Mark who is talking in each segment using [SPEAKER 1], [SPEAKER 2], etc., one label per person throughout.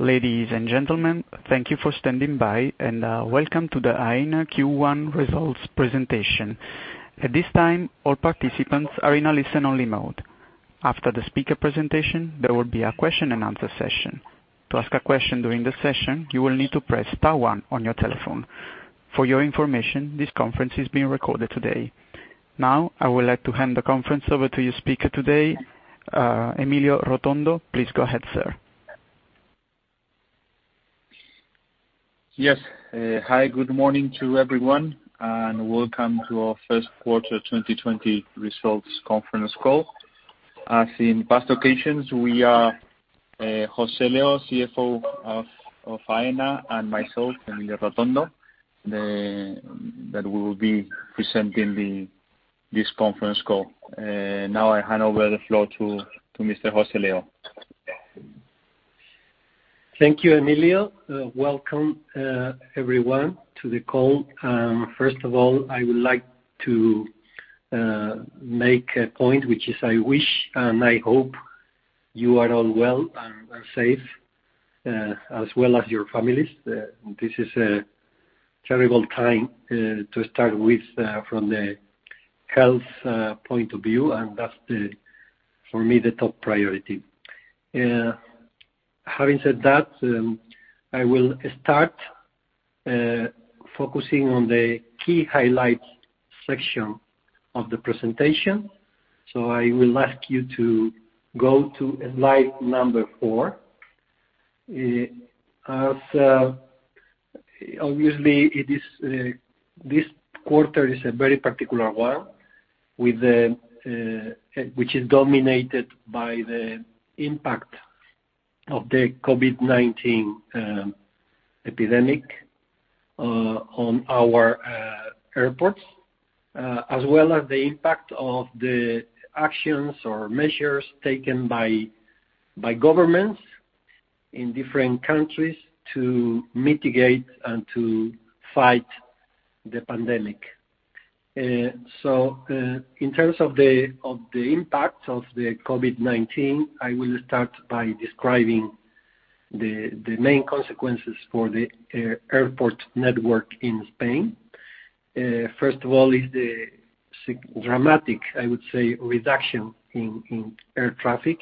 [SPEAKER 1] Ladies and gentlemen, thank you for standing by, and welcome to the Aena Q1 results presentation. At this time, all participants are in a listen-only mode. After the speaker presentation, there will be a question-and-answer session. To ask a question during the session, you will need to press star one on your telephone. For your information, this conference is being recorded today. Now, I would like to hand the conference over to your speaker today, Emilio Rotondo. Please go ahead, sir.
[SPEAKER 2] Yes. Hi, good morning to everyone, and welcome to our first quarter 2020 results conference call. As in past occasions, we are José Leo, CFO of Aena, and myself, Emilio Rotondo, that will be presenting this conference call. Now, I hand over the floor to Mr. José Leo.
[SPEAKER 3] Thank you, Emilio. Welcome, everyone, to the call. First of all, I would like to make a point, which is I wish and I hope you are all well and safe, as well as your families. This is a terrible time to start with from the health point of view, and that's, for me, the top priority. Having said that, I will start focusing on the key highlight section of the presentation. So I will ask you to go to slide number four. Obviously, this quarter is a very particular one, which is dominated by the impact of the COVID-19 epidemic on our airports, as well as the impact of the actions or measures taken by governments in different countries to mitigate and to fight the pandemic. So in terms of the impact of the COVID-19, I will start by describing the main consequences for the airport network in Spain. First of all, is the dramatic, I would say, reduction in air traffic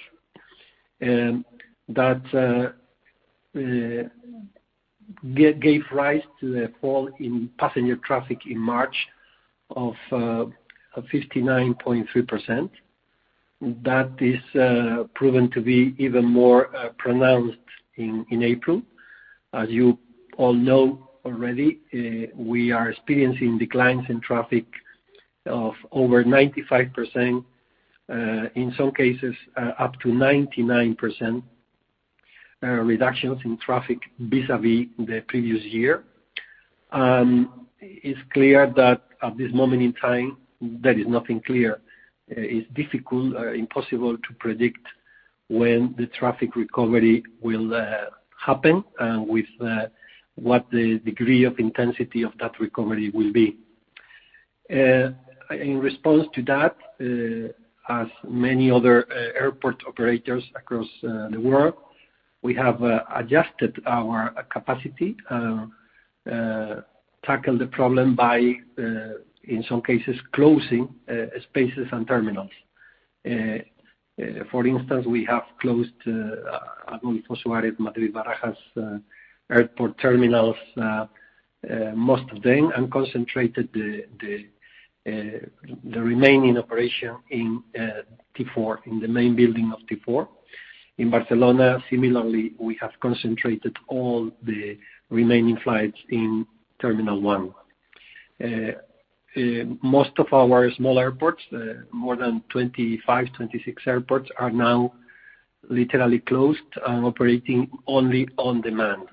[SPEAKER 3] that gave rise to a fall in passenger traffic in March of 59.3%. That is proven to be even more pronounced in April. As you all know already, we are experiencing declines in traffic of over 95%, in some cases up to 99% reductions in traffic vis-à-vis the previous year. It's clear that at this moment in time, there is nothing clear. It's difficult, impossible to predict when the traffic recovery will happen and with what the degree of intensity of that recovery will be. In response to that, as many other airport operators across the world, we have adjusted our capacity, tackled the problem by, in some cases, closing spaces and terminals. For instance, we have closed Adolfo Suárez Madrid-Barajas Airport terminals most of them and concentrated the remaining operation in T4, in the main building of T4. In Barcelona, similarly, we have concentrated all the remaining flights in Terminal 1. Most of our small airports, more than 25, 26 airports, are now literally closed and operating only on demand.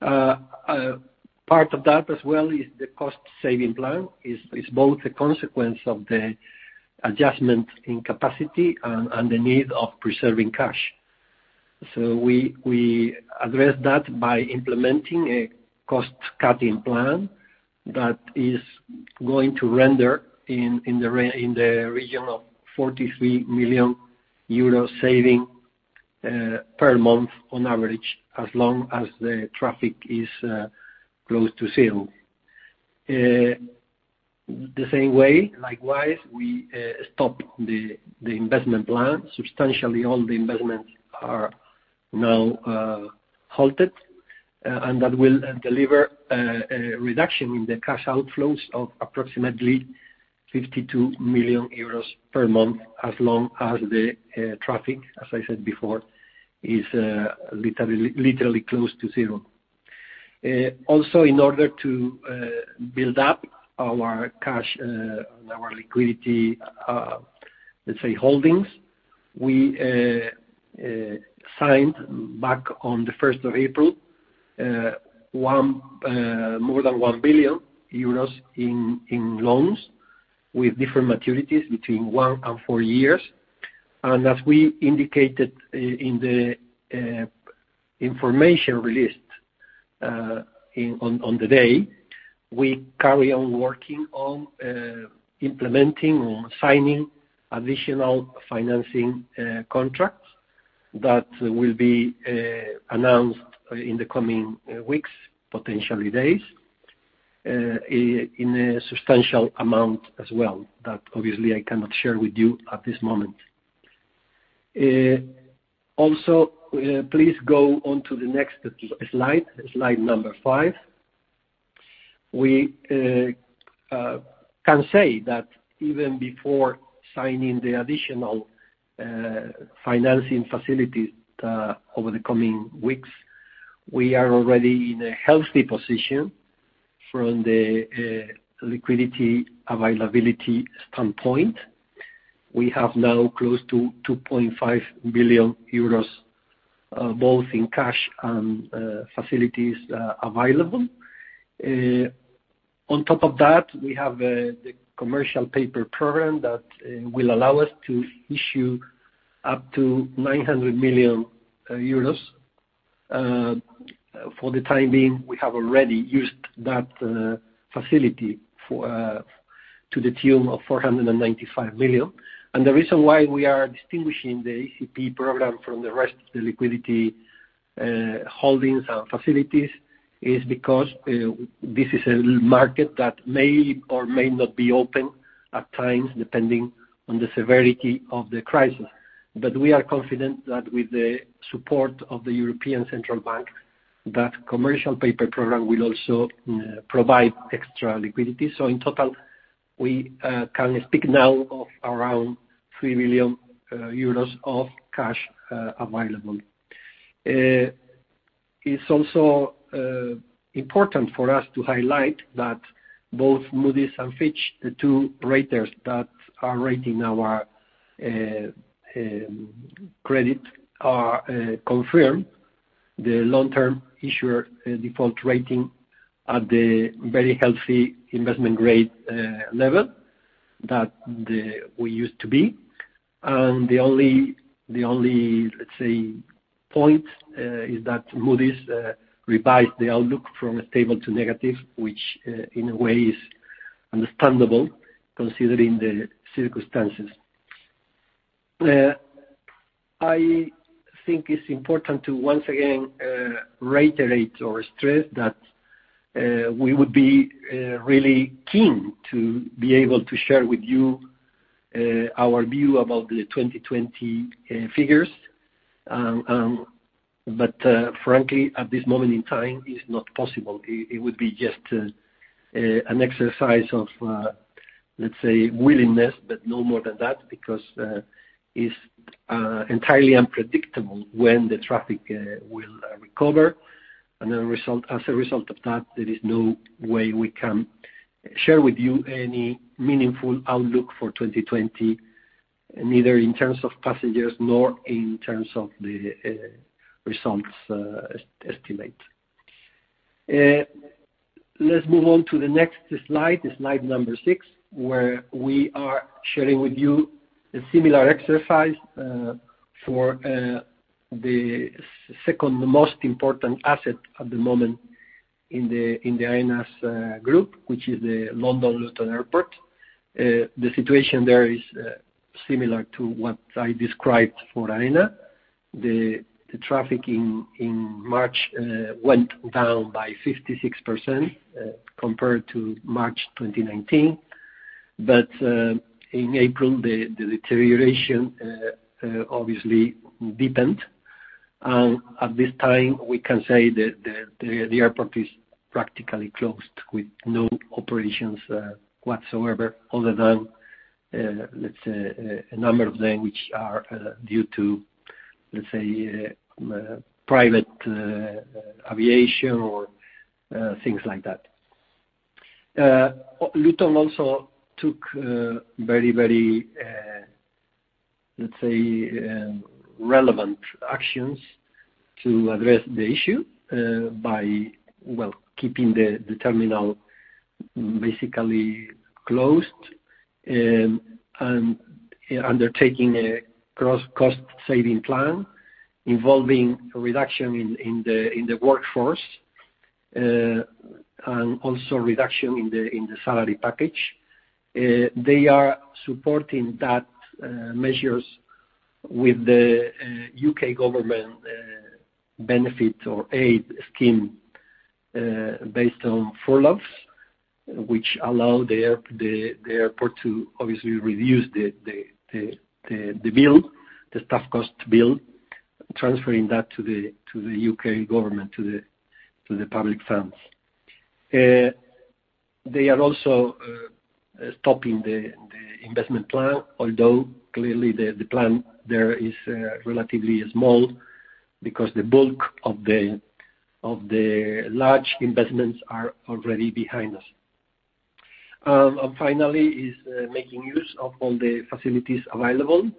[SPEAKER 3] Part of that as well is the cost-saving plan. It's both a consequence of the adjustment in capacity and the need of preserving cash. So we address that by implementing a cost-cutting plan that is going to render in the region of 43 million euro saving per month on average as long as the traffic is close to zero. The same way, likewise, we stopped the investment plan. Substantially, all the investments are now halted, and that will deliver a reduction in the cash outflows of approximately 52 million euros per month as long as the traffic, as I said before, is literally close to zero. Also, in order to build up our cash and our liquidity, let's say, holdings, we signed back on the 1st of April more than 1 billion euros in loans with different maturities between one and four years. And as we indicated in the information released on the day, we carry on working on implementing or signing additional financing contracts that will be announced in the coming weeks, potentially days, in a substantial amount as well that obviously I cannot share with you at this moment. Also, please go on to the next slide, slide number five. We can say that even before signing the additional financing facilities over the coming weeks, we are already in a healthy position from the liquidity availability standpoint. We have now close to 2.5 billion euros both in cash and facilities available. On top of that, we have the commercial paper program that will allow us to issue up to 900 million euros. For the time being, we have already used that facility to the tune of 495 million. And the reason why we are distinguishing the ECP program from the rest of the liquidity holdings and facilities is because this is a market that may or may not be open at times depending on the severity of the crisis. But we are confident that with the support of the European Central Bank, that commercial paper program will also provide extra liquidity. So in total, we can speak now of around 3 billion euros of cash available. It's also important for us to highlight that both Moody's and Fitch, the two raters that are rating our credit, have confirmed the long-term issuer default rating at the very healthy investment grade level that we used to be, and the only, let's say, point is that Moody's revised the outlook from stable to negative, which in a way is understandable considering the circumstances. I think it's important to once again reiterate or stress that we would be really keen to be able to share with you our view about the 2020 figures, but frankly, at this moment in time, it's not possible. It would be just an exercise of, let's say, willingness, but no more than that because it's entirely unpredictable when the traffic will recover. And as a result of that, there is no way we can share with you any meaningful outlook for 2020, neither in terms of passengers nor in terms of the results estimate. Let's move on to the next slide, slide number six, where we are sharing with you a similar exercise for the second most important asset at the moment in the Aena's group, which is the London Luton Airport. The situation there is similar to what I described for Aena. The traffic in March went down by 56% compared to March 2019. But in April, the deterioration obviously deepened. And at this time, we can say that the airport is practically closed with no operations whatsoever other than, let's say, a number of them, which are due to, let's say, private aviation or things like that. Luton also took very, very, let's say, relevant actions to address the issue by, well, keeping the terminal basically closed and undertaking a cost-saving plan involving a reduction in the workforce and also a reduction in the salary package. They are supporting that measures with the U.K. government benefit or aid scheme based on furloughs, which allow the airport to obviously reduce the bill, the staff cost bill, transferring that to the U.K. government, to the public funds. They are also stopping the investment plan, although clearly the plan there is relatively small because the bulk of the large investments are already behind us. And finally, it's making use of all the facilities available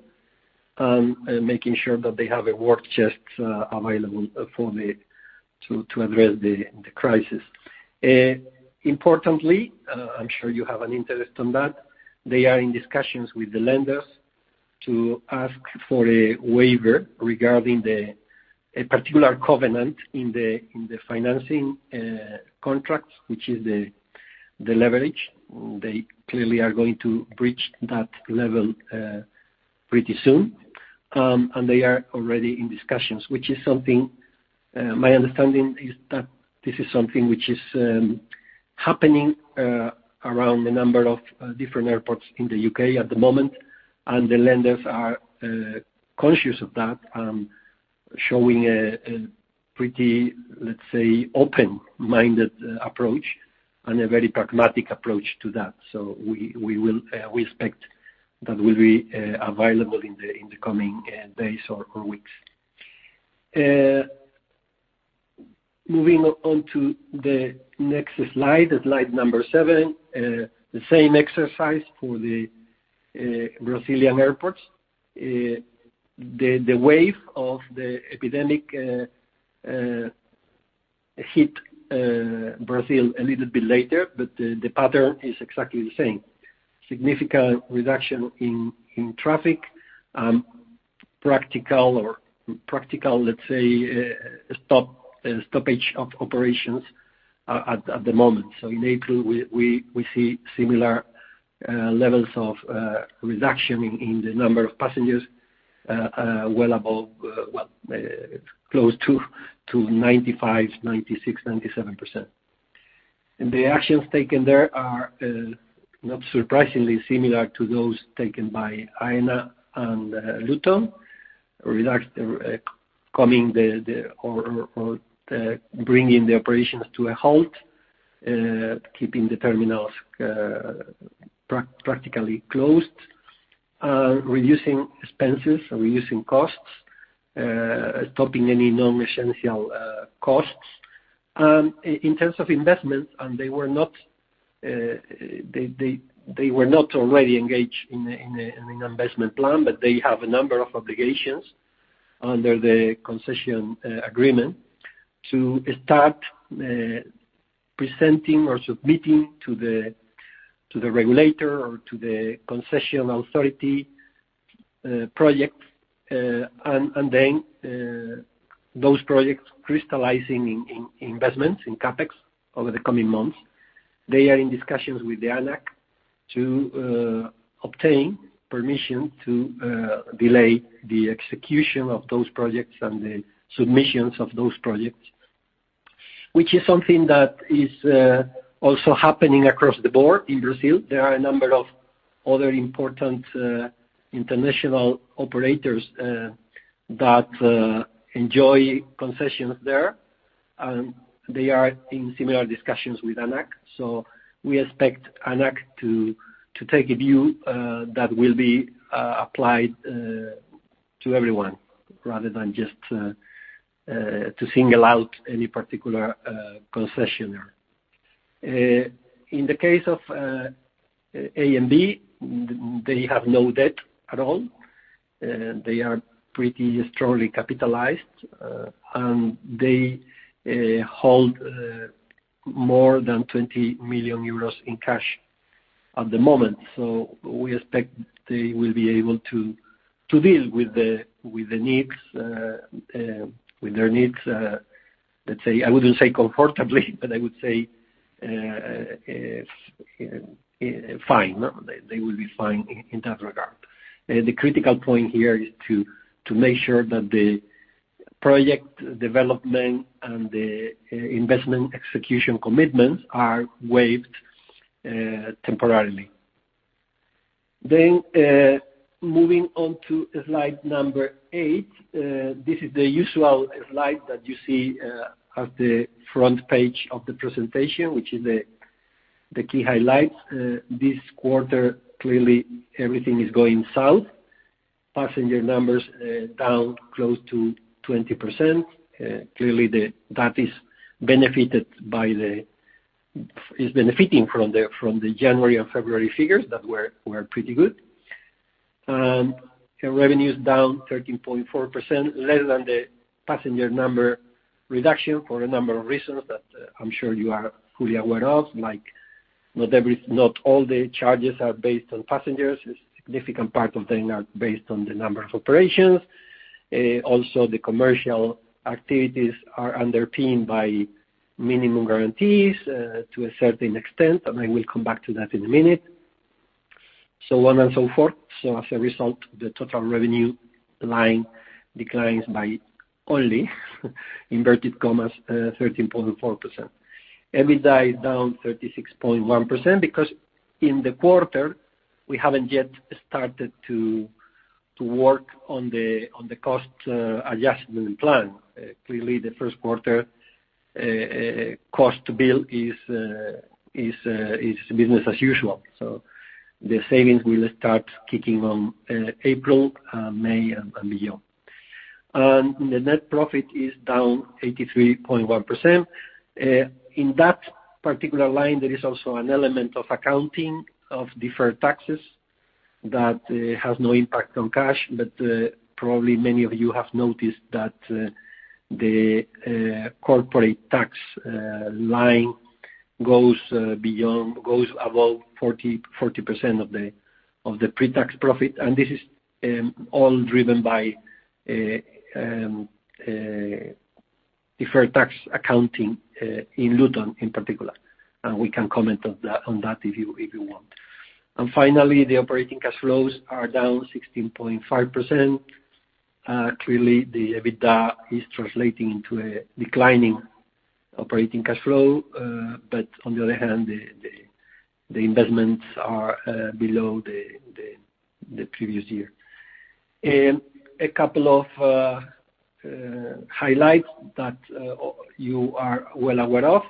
[SPEAKER 3] and making sure that they have a war chest available to address the crisis. Importantly, I'm sure you have an interest in that. They are in discussions with the lenders to ask for a waiver regarding a particular covenant in the financing contract, which is the leverage. They clearly are going to breach that level pretty soon, and they are already in discussions, which is something my understanding is that this is something which is happening around a number of different airports in the U.K. at the moment, and the lenders are conscious of that and showing a pretty, let's say, open-minded approach and a very pragmatic approach to that, so we expect that will be available in the coming days or weeks. Moving on to the next slide, slide number seven, the same exercise for the Brazilian airports. The wave of the epidemic hit Brazil a little bit later, but the pattern is exactly the same. Significant reduction in traffic and practical, let's say, stoppage of operations at the moment. In April, we see similar levels of reduction in the number of passengers, well above, well, close to 95%, 96%, 97%. The actions taken there are not surprisingly similar to those taken by Aena and Luton, bringing the operations to a halt, keeping the terminals practically closed, and reducing expenses, reducing costs, stopping any non-essential costs. In terms of investments, they were not already engaged in an investment plan, but they have a number of obligations under the concession agreement to start presenting or submitting to the regulator or to the concessional authority projects. Those projects crystallizing in investments in CAPEX over the coming months, they are in discussions with the Aena to obtain permission to delay the execution of those projects and the submissions of those projects, which is something that is also happening across the board in Brazil. There are a number of other important international operators that enjoy concessions there, and they are in similar discussions with Aena. So we expect Aena to take a view that will be applied to everyone rather than just to single out any particular concessionaire. In the case of ANB, they have no debt at all. They are pretty strongly capitalized, and they hold more than 20 million euros in cash at the moment. So we expect they will be able to deal with the needs, with their needs, let's say. I wouldn't say comfortably, but I would say fine. They will be fine in that regard. The critical point here is to make sure that the project development and the investment execution commitments are waived temporarily. Then moving on to slide number eight, this is the usual slide that you see at the front page of the presentation, which is the key highlights. This quarter, clearly, everything is going south. Passenger numbers down close to 20%. Clearly, that is benefiting from the January and February figures that were pretty good, and revenues down 13.4%, less than the passenger number reduction for a number of reasons that I'm sure you are fully aware of, like not all the charges are based on passengers. A significant part of them are based on the number of operations. Also, the commercial activities are underpinned by minimum guarantees to a certain extent, and I will come back to that in a minute, so on and so forth, so as a result, the total revenue line declines by only, inverted commas, 13.4%. EBITDA is down 36.1% because in the quarter, we haven't yet started to work on the cost adjustment plan. Clearly, the first quarter cost to bill is business as usual, so the savings will start kicking on April, May, and beyond, and the net profit is down 83.1%. In that particular line, there is also an element of accounting of deferred taxes that has no impact on cash, but probably many of you have noticed that the corporate tax line goes above 40% of the pre-tax profit, and this is all driven by deferred tax accounting in Luton in particular, and we can comment on that if you want, and finally, the operating cash flows are down 16.5%. Clearly, the EBITDA is translating into a declining operating cash flow, but on the other hand, the investments are below the previous year. A couple of highlights that you are well aware of.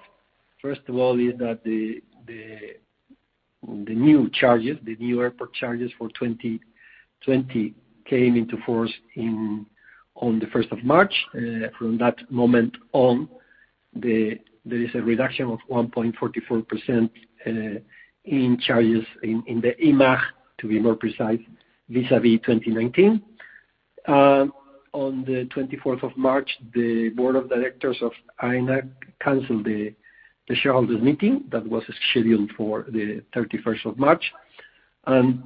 [SPEAKER 3] First of all, is that the new charges, the new airport charges for 2020 came into force on the 1st of March. From that moment on, there is a reduction of 1.44% in charges in the IMAAJ, to be more precise, vis-à-vis 2019. On the 24th of March, the board of directors of Aena canceled the shareholders' meeting that was scheduled for the 31st of March. And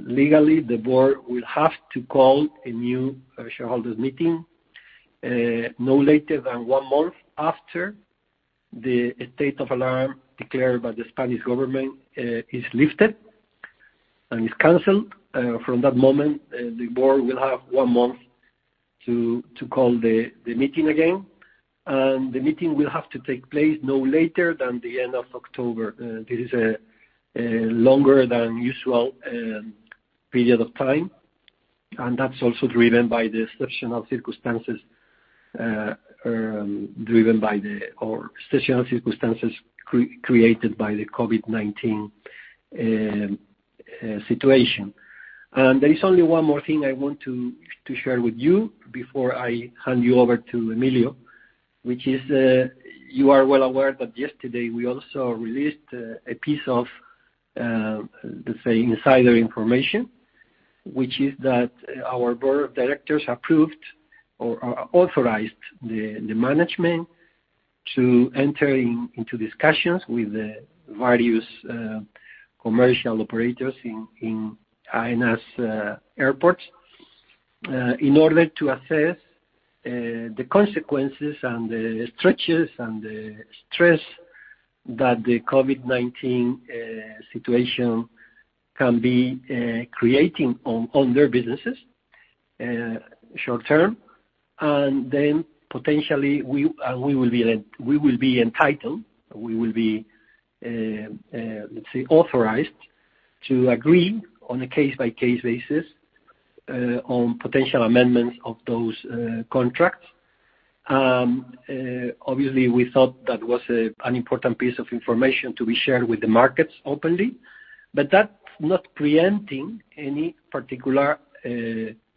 [SPEAKER 3] legally, the board will have to call a new shareholders' meeting no later than one month after the State of Alarm declared by the Spanish government is lifted and is canceled. From that moment, the board will have one month to call the meeting again. And the meeting will have to take place no later than the end of October. This is a longer than usual period of time. That's also driven by the exceptional circumstances created by the COVID-19 situation. There is only one more thing I want to share with you before I hand you over to Emilio, which is you are well aware that yesterday we also released a piece of, let's say, insider information, which is that our board of directors approved or authorized the management to enter into discussions with the various commercial operators in Aena's airports in order to assess the consequences and the stretches and the stress that the COVID-19 situation can be creating on their businesses short term. Then potentially, we will be entitled, we will be, let's say, authorized to agree on a case-by-case basis on potential amendments of those contracts. Obviously, we thought that was an important piece of information to be shared with the markets openly, but that's not preempting any particular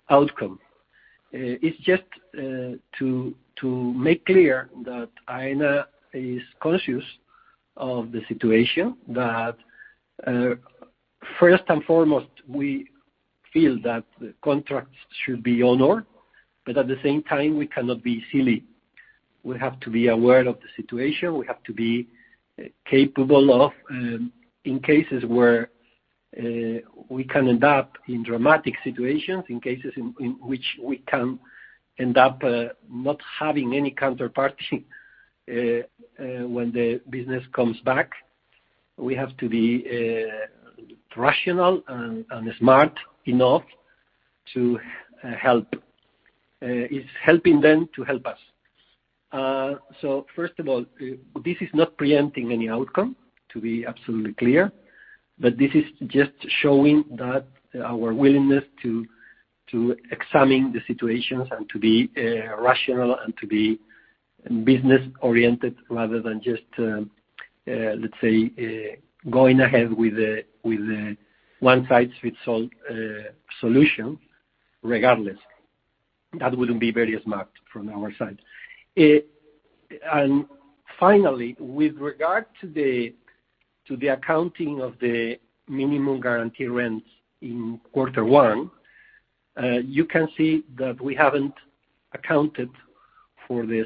[SPEAKER 3] outcome. It's just to make clear that Aena is conscious of the situation. That first and foremost, we feel that the contracts should be honored, but at the same time, we cannot be silly. We have to be aware of the situation. We have to be capable of, in cases where we can end up in dramatic situations, in cases in which we can end up not having any counterparty when the business comes back, we have to be rational and smart enough to help, is helping them to help us. So first of all, this is not preempting any outcome, to be absolutely clear, but this is just showing that our willingness to examine the situations and to be rational and to be business-oriented rather than just, let's say, going ahead with a one-size-fits-all solution regardless. That wouldn't be very smart from our side. And finally, with regard to the accounting of the minimum guaranteed rents in quarter one, you can see that we haven't accounted for the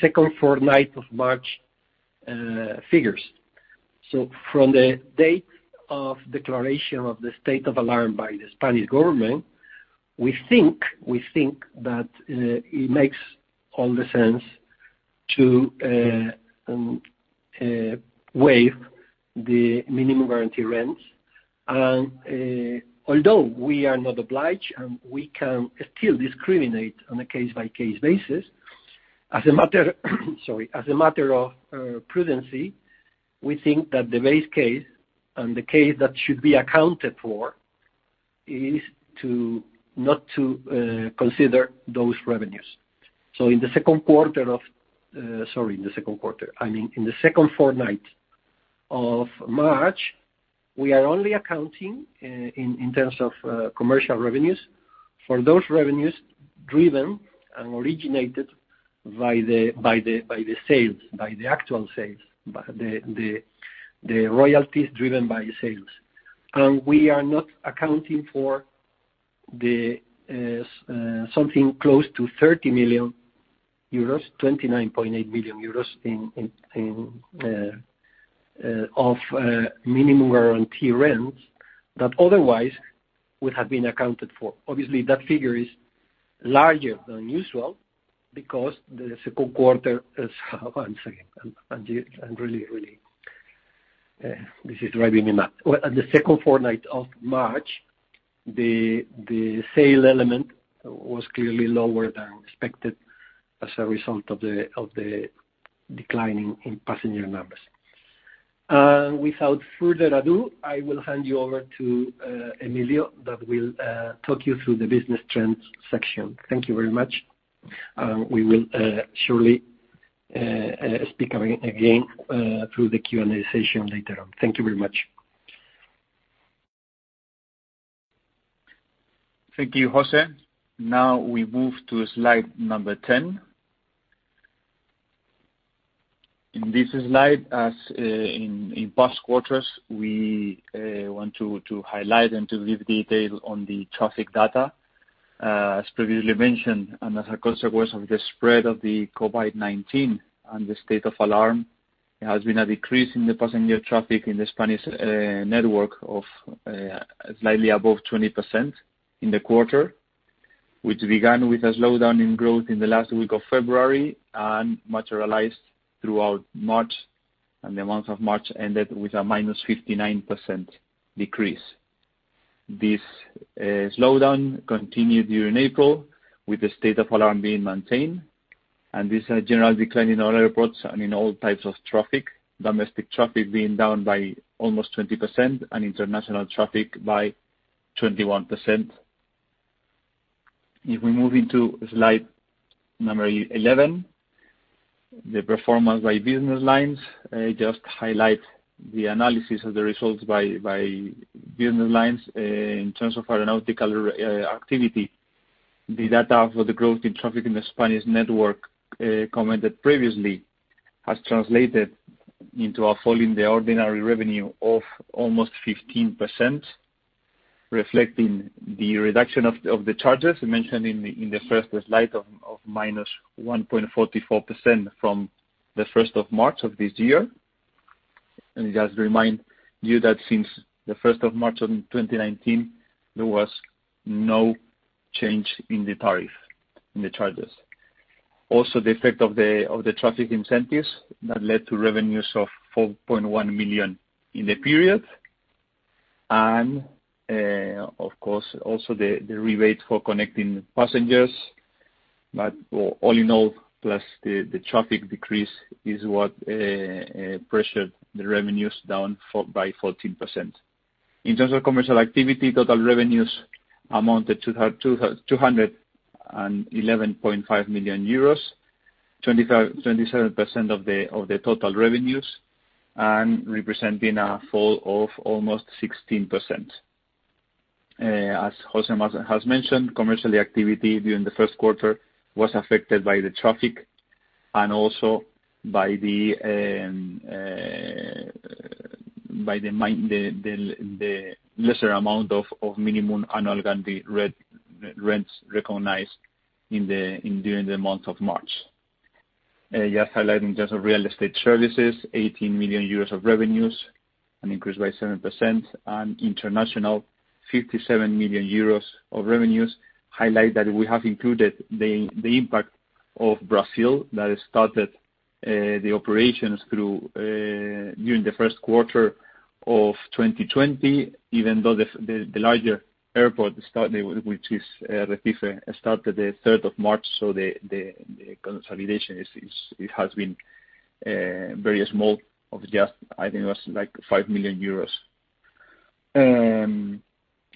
[SPEAKER 3] second fortnight of March figures. From the date of declaration of the State of Alarm by the Spanish government, we think that it makes all the sense to waive the minimum guaranteed rents. Although we are not obliged and we can still discriminate on a case-by-case basis, as a matter of prudence, we think that the base case and the case that should be accounted for is not to consider those revenues. In the second quarter—sorry, I mean, in the second fortnight of March—we are only accounting in terms of commercial revenues for those revenues driven and originated by the sales, by the actual sales, the royalties driven by sales. We are not accounting for something close to 30 million euros, 29.8 million euros of minimum guaranteed rents that otherwise would have been accounted for. Obviously, that figure is larger than usual because the second quarter is one second. Really, really, this is driving me mad. At the second fortnight of March, the sale element was clearly lower than expected as a result of the declining in passenger numbers. Without further ado, I will hand you over to Emilio that will talk you through the business trends section. Thank you very much. We will surely speak again through the Q&A session later on. Thank you very much.
[SPEAKER 2] Thank you, José. Now we move to slide number 10. In this slide, as in past quarters, we want to highlight and to give detail on the traffic data. As previously mentioned, and as a consequence of the spread of the COVID-19 and the state of alarm, there has been a decrease in the passenger traffic in the Spanish network of slightly above 20% in the quarter, which began with a slowdown in growth in the last week of February and materialized throughout March, and the month of March ended with a -59% decrease. This slowdown continued during April with the state of alarm being maintained, and this general decline in all airports and in all types of traffic, domestic traffic being down by almost 20% and international traffic by 21%. If we move into slide number 11, the performance by business lines just highlights the analysis of the results by business lines in terms of aeronautical activity. The data for the growth in traffic in the Spanish network commented previously has translated into a fall in the ordinary revenue of almost 15%, reflecting the reduction of the charges mentioned in the first slide of minus 1.44% from the 1st of March of this year. Just remind you that since the 1st of March of 2019, there was no change in the tariff, in the charges. Also, the effect of the traffic incentives that led to revenues of 4.1 million in the period. Of course, also the rebates for connecting passengers. All in all, plus the traffic decrease is what pressured the revenues down by 14%. In terms of commercial activity, total revenues amounted to 211.5 million euros, 27% of the total revenues, and representing a fall of almost 16%. As José has mentioned, commercial activity during the first quarter was affected by the traffic and also by the lesser amount of minimum annual guaranteed rents recognized during the month of March. Just highlighting in terms of real estate services, 18 million euros of revenues, increased by 7%, and international, 57 million euros of revenues. Highlight that we have included the impact of Brazil that started the operations during the first quarter of 2020, even though the larger airport, which is Recife, started the 3rd of March. So the consolidation has been very small of just, I think it was like 5 million euros.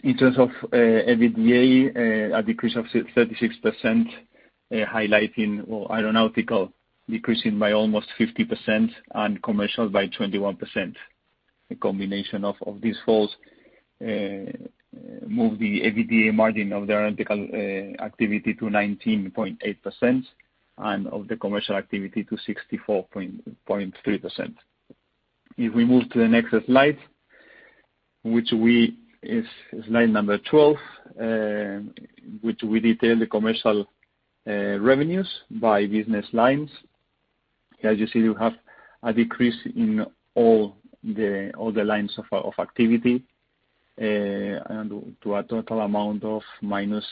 [SPEAKER 2] In terms of EBITDA, a decrease of 36%, highlighting aeronautical decreasing by almost 50% and commercial by 21%. The combination of these falls moved the EBITDA margin of the aeronautical activity to 19.8% and of the commercial activity to 64.3%. If we move to the next slide, which is slide number 12, which we detail the commercial revenues by business lines, as you see, we have a decrease in all the lines of activity to a total amount of minus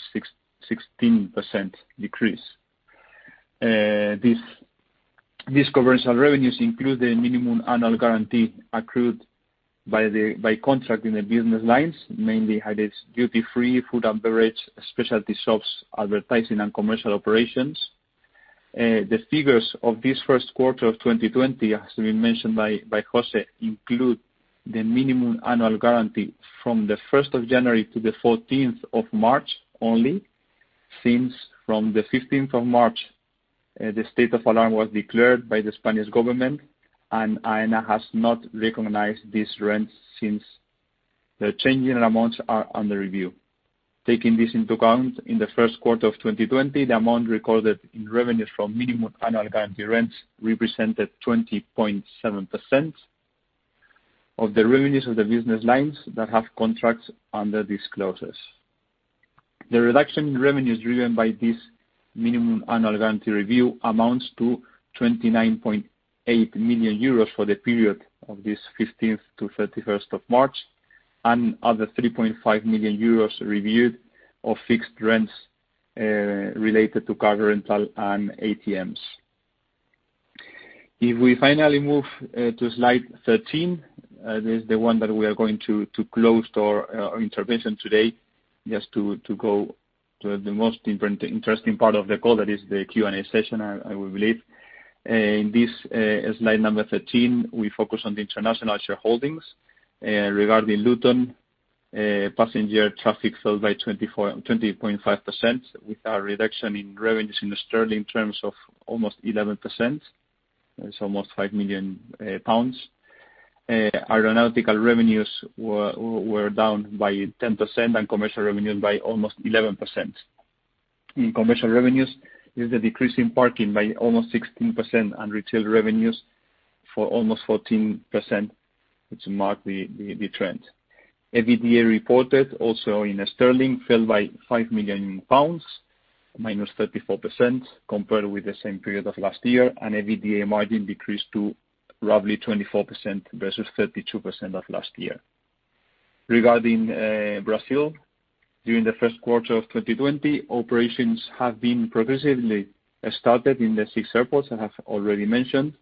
[SPEAKER 2] 16% decrease. These commercial revenues include the minimum annual guarantee accrued by contracting the business lines, mainly high-rated duty-free, food and beverage, specialty shops, advertising, and commercial operations. The figures of this first quarter of 2020, as we mentioned by José, include the minimum annual guarantee from the 1st of January to the 14th of March only. Since from the 15th of March, the state of alarm was declared by the Spanish government, and Aena has not recognized these rents since. The changing amounts are under review. Taking this into account, in the first quarter of 2020, the amount recorded in revenues from minimum annual guaranteed rents represented 20.7% of the revenues of the business lines that have contracts under these clauses. The reduction in revenues driven by this minimum annual guarantee review amounts to 29.8 million euros for the period of this 15th to 31st of March, and other 3.5 million euros reviewed of fixed rents related to car rental and ATMs. If we finally move to slide 13, this is the one that we are going to close our intervention today, just to go to the most interesting part of the call, that is the Q&A session, I believe. In this slide number 13, we focus on the international shareholdings regarding Luton passenger traffic fell by 20.5% with a reduction in revenues in sterling terms of almost 11%. It's almost 5 million pounds. Aeronautical revenues were down by 10% and commercial revenues by almost 11%. In commercial revenues, there's a decrease in parking by almost 16% and retail revenues for almost 14%, which marked the trend. EBITDA reported also in sterling fell by 5 million pounds, minus 34% compared with the same period of last year, and EBITDA margin decreased to roughly 24% versus 32% of last year. Regarding Brazil, during the first quarter of 2020, operations have been progressively started in the six airports I have already mentioned.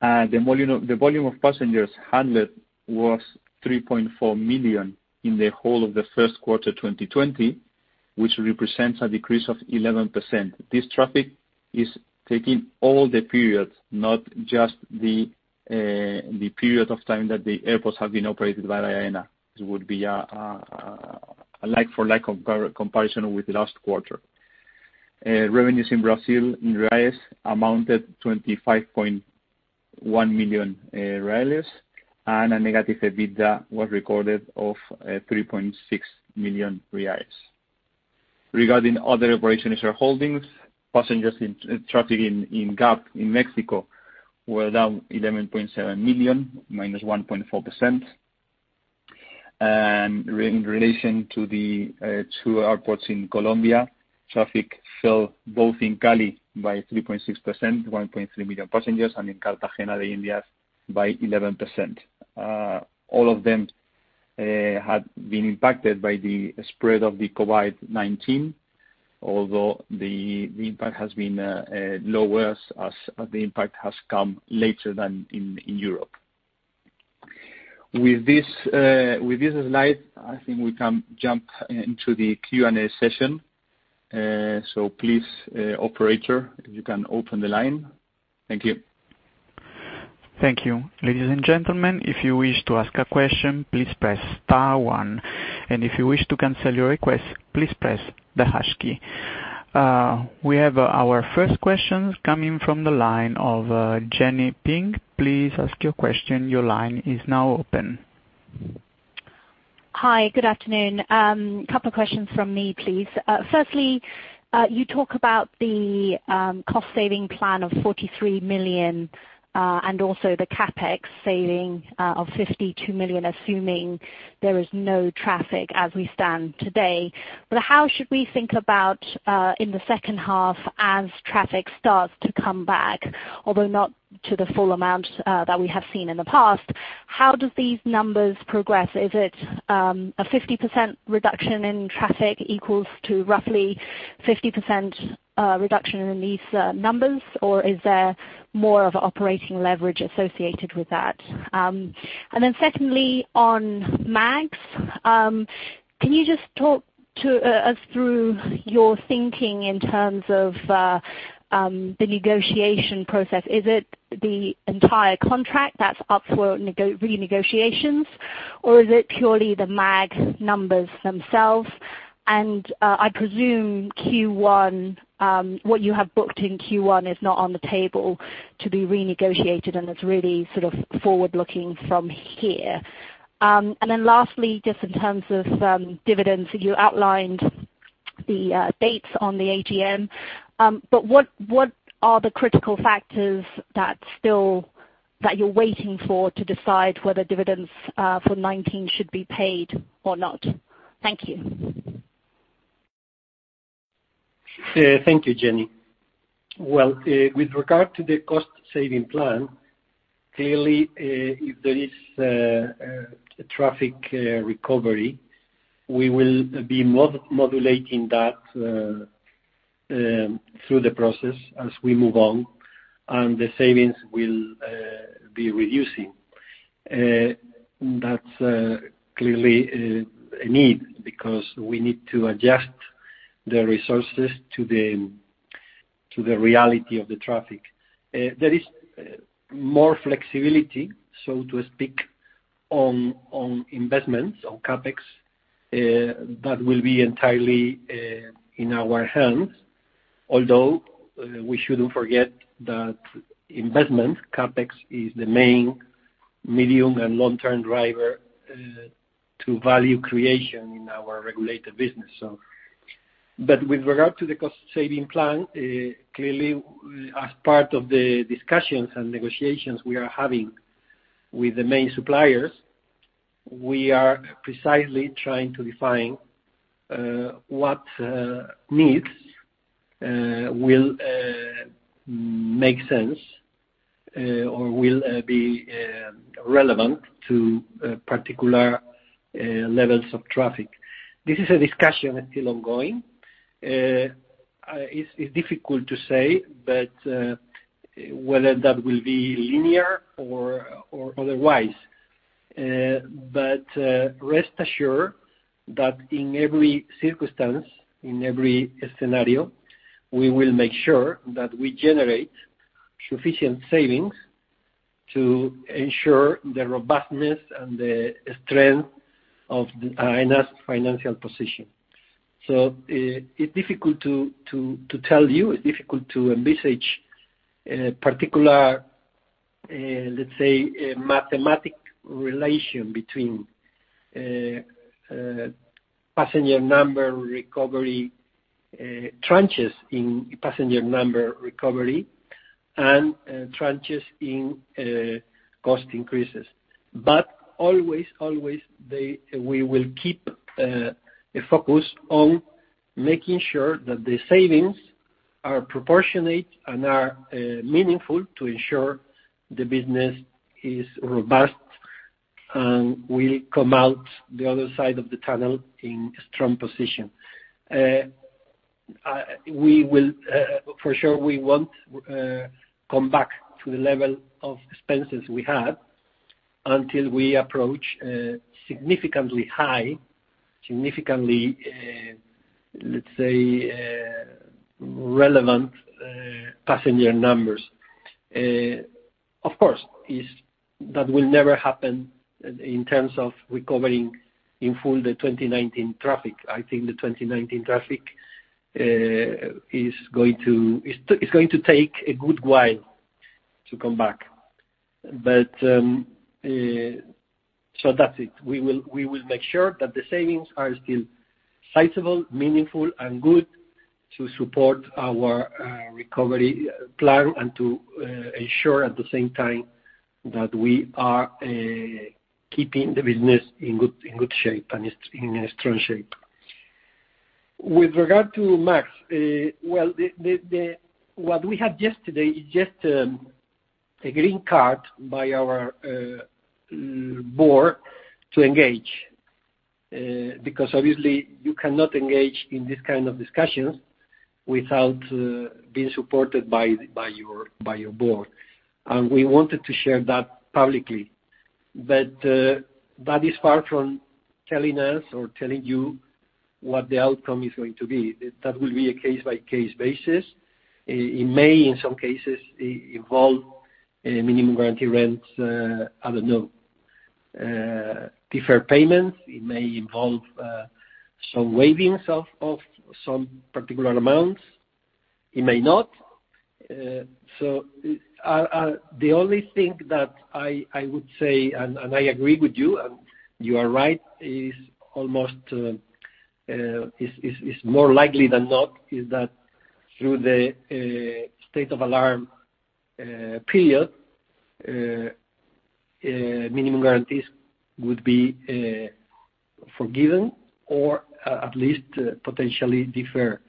[SPEAKER 2] The volume of passengers handled was 3.4 million in the whole of the first quarter 2020, which represents a decrease of 11%. This traffic is taking all the periods, not just the period of time that the airports have been operated by Aena. It would be a like-for-like comparison with last quarter. Revenues in Brazil in BRL amounted to 25.1 million reais, and a negative EBITDA was recorded of 3.6 million reais. Regarding other operations or holdings, passenger traffic in GAP in Mexico were down 11.7 million, minus 1.4%, and in relation to the two airports in Colombia, traffic fell both in Cali by 3.6%, 1.3 million passengers, and in Cartagena de Indias by 11%. All of them had been impacted by the spread of the COVID-19, although the impact has been lower as the impact has come later than in Europe. With this slide, I think we can jump into the Q&A session. So please, operator, if you can open the line. Thank you.
[SPEAKER 1] Thank you. Ladies and gentlemen, if you wish to ask a question, please press star one, and if you wish to cancel your request, please press the hash key. We have our first question coming from the line of Jenny Ping. Please ask your question. Your line is now open.
[SPEAKER 4] Hi, good afternoon. A couple of questions from me, please. Firstly, you talk about the cost-saving plan of 43 million and also the CAPEX saving of 52 million, assuming there is no traffic as we stand today. But how should we think about in the second half as traffic starts to come back, although not to the full amount that we have seen in the past? How do these numbers progress? Is it a 50% reduction in traffic equals to roughly 50% reduction in these numbers, or is there more of an operating leverage associated with that? And then secondly, on MAGs, can you just talk to us through your thinking in terms of the negotiation process? Is it the entire contract that's up for renegotiations, or is it purely the MAG numbers themselves? And I presume what you have booked in Q1 is not on the table to be renegotiated, and it's really sort of forward-looking from here. And then lastly, just in terms of dividends, you outlined the dates on the AGM. But what are the critical factors that you're waiting for to decide whether dividends for 2019 should be paid or not? Thank you.
[SPEAKER 3] Thank you, Jenny. Well, with regard to the cost-saving plan, clearly, if there is a traffic recovery, we will be modulating that through the process as we move on, and the savings will be reducing. That's clearly a need because we need to adjust the resources to the reality of the traffic. There is more flexibility, so to speak, on investments, on CAPEX, that will be entirely in our hands, although we shouldn't forget that investment, CAPEX, is the main medium and long-term driver to value creation in our regulated business. But with regard to the cost-saving plan, clearly, as part of the discussions and negotiations we are having with the main suppliers, we are precisely trying to define what needs will make sense or will be relevant to particular levels of traffic. This is a discussion still ongoing. It's difficult to say, but whether that will be linear or otherwise. But rest assured that in every circumstance, in every scenario, we will make sure that we generate sufficient savings to ensure the robustness and the strength of Aena's financial position. So it's difficult to tell you. It's difficult to envisage a particular, let's say, mathematical relation between passenger number recovery tranches in passenger number recovery and tranches in cost increases. But always, always, we will keep a focus on making sure that the savings are proportionate and are meaningful to ensure the business is robust and will come out the other side of the tunnel in a strong position. For sure, we won't come back to the level of expenses we had until we approach significantly high, significantly, let's say, relevant passenger numbers. Of course, that will never happen in terms of recovering in full the 2019 traffic. I think the 2019 traffic is going to take a good while to come back. So that's it. We will make sure that the savings are still sizable, meaningful, and good to support our recovery plan and to ensure at the same time that we are keeping the business in good shape and in a strong shape. With regard to MAGs, well, what we had yesterday is just a green card by our board to engage because, obviously, you cannot engage in this kind of discussions without being supported by your board, and we wanted to share that publicly, but that is far from telling us or telling you what the outcome is going to be. That will be a case-by-case basis. It may, in some cases, involve minimum guaranteed rents. I don't know. Different payments. It may involve some waiving of some particular amounts. It may not. The only thing that I would say, and I agree with you, and you are right, is more likely than not that through the State of Alarm period, minimum guarantees would be forgiven or at least potentially deferred.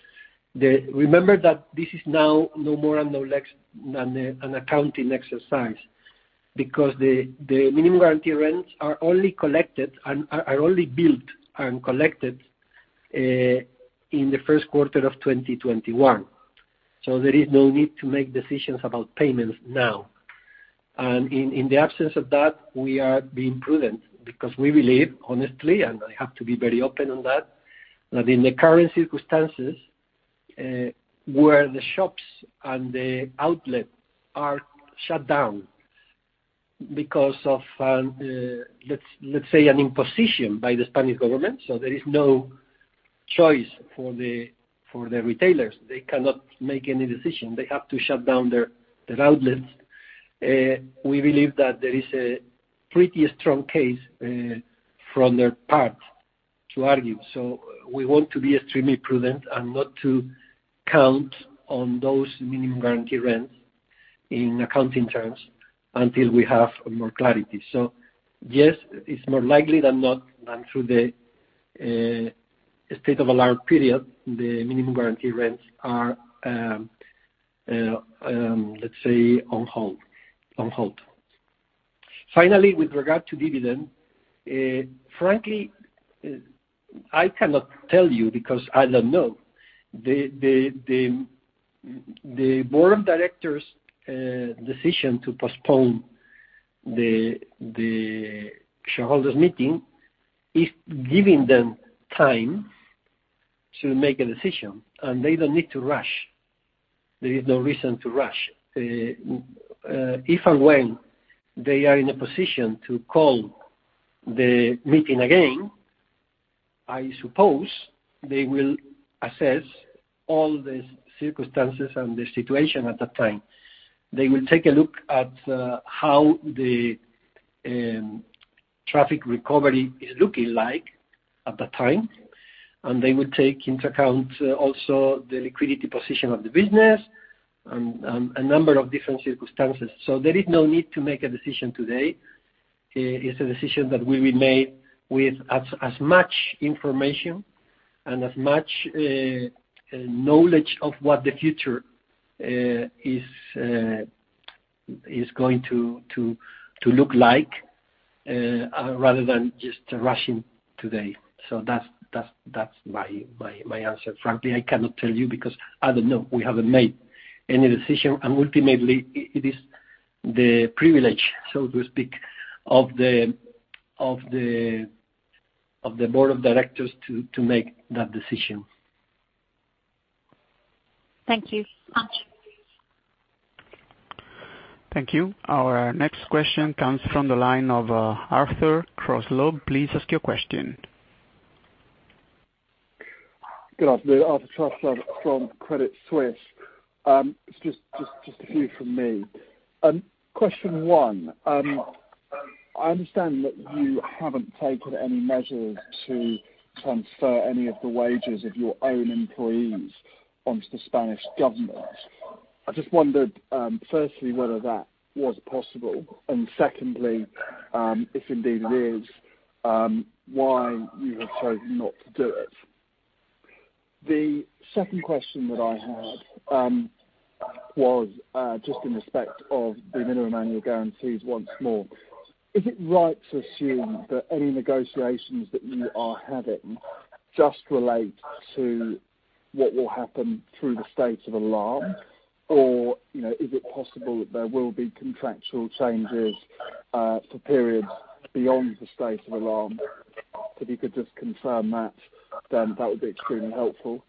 [SPEAKER 3] Remember that this is now no more and no less than an accounting exercise because the minimum guaranteed rents are only collected and are only built and collected in the first quarter of 2021. There is no need to make decisions about payments now. In the absence of that, we are being prudent because we believe, honestly, and I have to be very open on that, that in the current circumstances where the shops and the outlets are shut down because of, let's say, an imposition by the Spanish government, there is no choice for the retailers. They cannot make any decision. They have to shut down their outlets. We believe that there is a pretty strong case from their part to argue. So we want to be extremely prudent and not to count on those minimum guaranteed rents in accounting terms until we have more clarity. So yes, it's more likely than not that through the State of Alarm period, the minimum guaranteed rents are, let's say, on hold. Finally, with regard to dividends, frankly, I cannot tell you because I don't know. The Board of Directors' decision to postpone the shareholders' meeting is giving them time to make a decision, and they don't need to rush. There is no reason to rush. If and when they are in a position to call the meeting again, I suppose they will assess all the circumstances and the situation at that time. They will take a look at how the traffic recovery is looking like at that time, and they will take into account also the liquidity position of the business and a number of different circumstances, so there is no need to make a decision today. It's a decision that will be made with as much information and as much knowledge of what the future is going to look like rather than just rushing today, so that's my answer. Frankly, I cannot tell you because I don't know. We haven't made any decision, and ultimately, it is the privilege, so to speak, of the board of directors to make that decision.
[SPEAKER 4] Thank you.
[SPEAKER 1] Thank you. Our next question comes from the line of Arthur Truslove. Please ask your question.
[SPEAKER 5] Good afternoon. I'm Arthur Truslove from Credit Suisse. Just a few from me. Question one. I understand that you haven't taken any measures to transfer any of the wages of your own employees onto the Spanish government. I just wondered, firstly, whether that was possible, and secondly, if indeed it is, why you have chosen not to do it. The second question that I had was just in respect of the minimum annual guarantees once more. Is it right to assume that any negotiations that you are having just relate to what will happen through the State of Alarm, or is it possible that there will be contractual changes for periods beyond the State of Alarm? So if you could just confirm that, then that would be extremely helpful.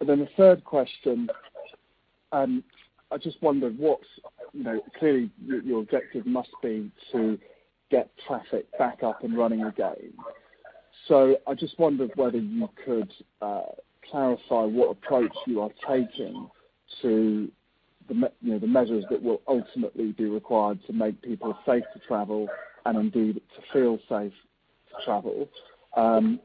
[SPEAKER 5] And then the third question, I just wondered what clearly your objective must be to get traffic back up and running again. So I just wondered whether you could clarify what approach you are taking to the measures that will ultimately be required to make people safe to travel and indeed to feel safe to travel. And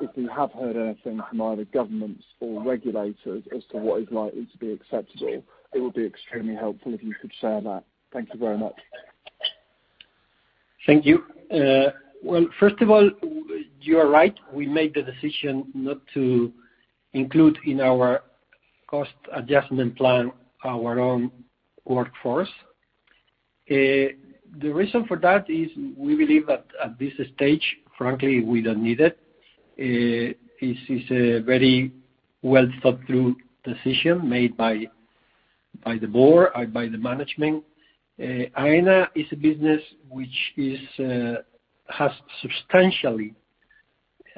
[SPEAKER 5] if we have heard anything from either governments or regulators as to what is likely to be acceptable, it would be extremely helpful if you could share that. Thank you very much.
[SPEAKER 3] Thank you. Well, first of all, you are right. We made the decision not to include in our cost adjustment plan our own workforce. The reason for that is we believe that at this stage, frankly, we don't need it. It's a very well-thought-through decision made by the board, by the management. Aena is a business which has substantially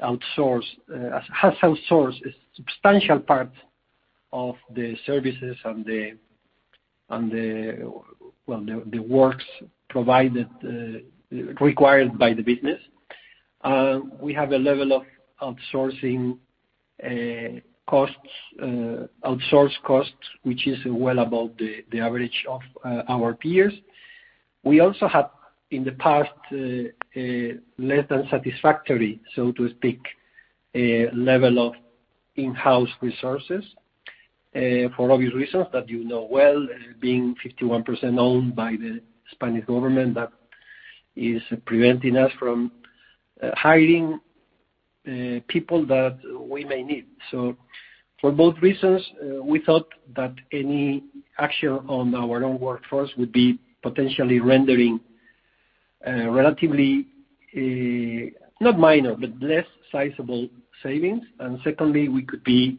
[SPEAKER 3] outsourced a substantial part of the services and the, well, the works provided required by the business. We have a level of outsourcing costs, outsource costs, which is well above the average of our peers. We also have, in the past, less than satisfactory, so to speak, level of in-house resources for obvious reasons that you know well. Being 51% owned by the Spanish government, that is preventing us from hiring people that we may need. So for both reasons, we thought that any action on our own workforce would be potentially rendering relatively not minor, but less sizable savings. And secondly, we could be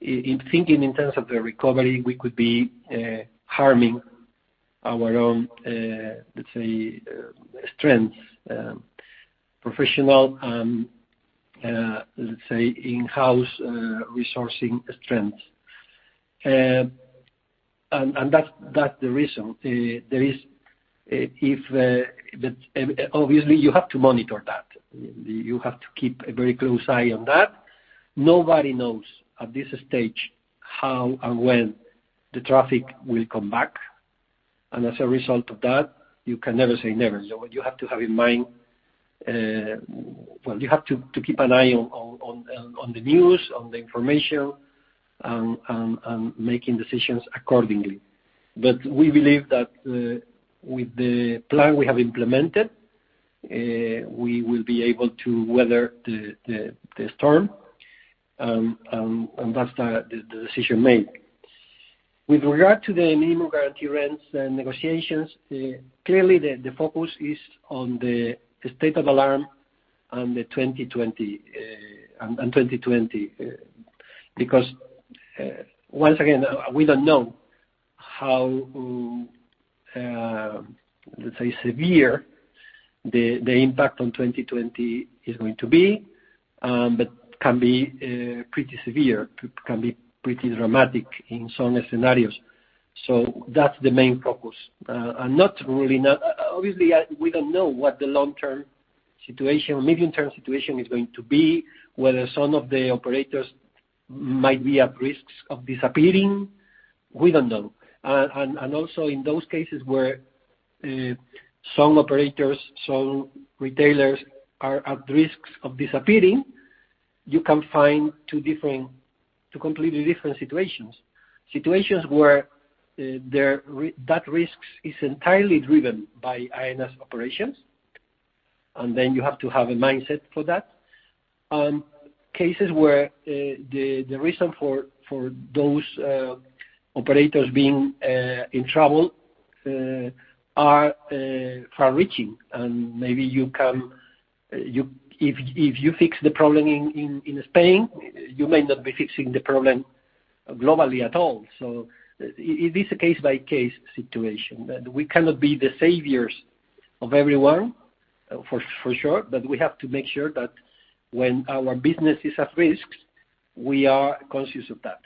[SPEAKER 3] thinking in terms of the recovery, we could be harming our own, let's say, strengths, professional and, let's say, in-house resourcing strengths. And that's the reason. But obviously, you have to monitor that. You have to keep a very close eye on that. Nobody knows at this stage how and when the traffic will come back. As a result of that, you can never say never. You have to have in mind, well, you have to keep an eye on the news, on the information, and making decisions accordingly. We believe that with the plan we have implemented, we will be able to weather the storm, and that's the decision made. With regard to the minimum guaranteed rents negotiations, clearly, the focus is on the State of Alarm and 2020 because, once again, we don't know how, let's say, severe the impact on 2020 is going to be, but can be pretty severe, can be pretty dramatic in some scenarios. That's the main focus. Obviously, we don't know what the long-term situation, medium-term situation is going to be, whether some of the operators might be at risk of disappearing. We don't know. And also, in those cases where some operators, some retailers are at risk of disappearing, you can find two completely different situations. Situations where that risk is entirely driven by Aena's operations, and then you have to have a mindset for that. Cases where the reason for those operators being in trouble are far-reaching, and maybe if you fix the problem in Spain, you may not be fixing the problem globally at all. So it is a case-by-case situation. We cannot be the saviors of everyone, for sure, but we have to make sure that when our business is at risk, we are conscious of that.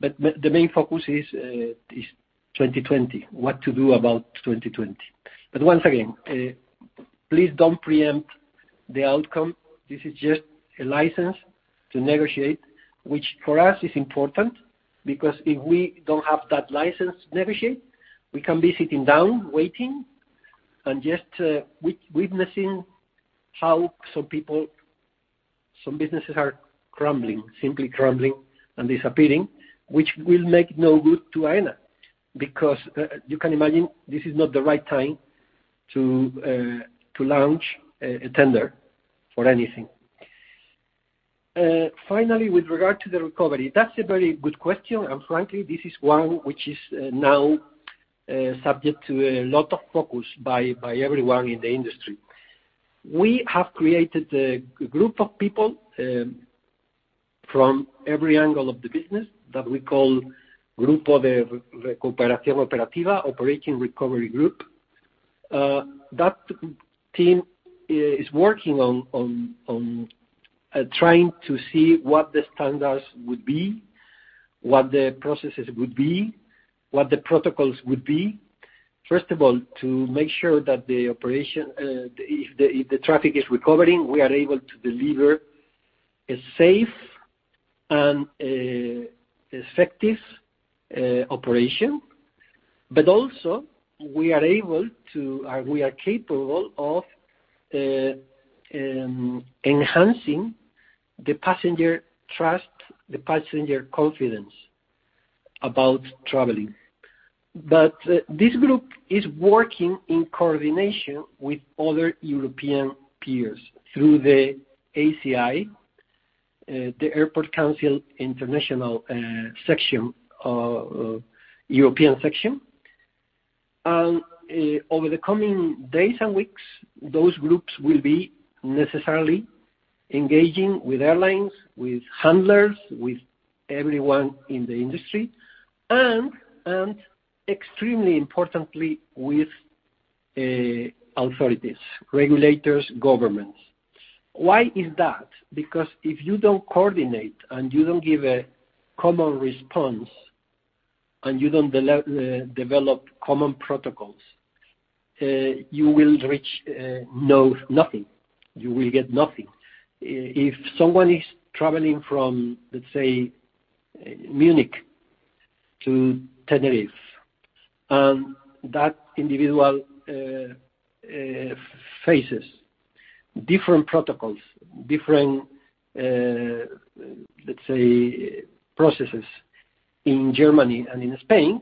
[SPEAKER 3] But the main focus is 2020, what to do about 2020. But once again, please don't preempt the outcome. This is just a license to negotiate, which for us is important because if we don't have that license to negotiate, we can be sitting down, waiting, and just witnessing how some businesses are crumbling, simply crumbling and disappearing, which will make no good to Aena because you can imagine this is not the right time to launch a tender for anything. Finally, with regard to the recovery, that's a very good question, and frankly, this is one which is now subject to a lot of focus by everyone in the industry. We have created a group of people from every angle of the business that we call Grupo de Recuperación Operativa, Operating Recovery Group. That team is working on trying to see what the standards would be, what the processes would be, what the protocols would be. First of all, to make sure that if the traffic is recovering, we are able to deliver a safe and effective operation. But also, we are able to, we are capable of enhancing the passenger trust, the passenger confidence about traveling. But this group is working in coordination with other European peers through the ACI, the Airports Council International Section, European Section. And over the coming days and weeks, those groups will be necessarily engaging with airlines, with handlers, with everyone in the industry, and extremely importantly, with authorities, regulators, governments. Why is that? Because if you don't coordinate and you don't give a common response and you don't develop common protocols, you will reach nothing. You will get nothing. If someone is traveling from, let's say, Munich to Tenerife, and that individual faces different protocols, different, let's say, processes in Germany and in Spain,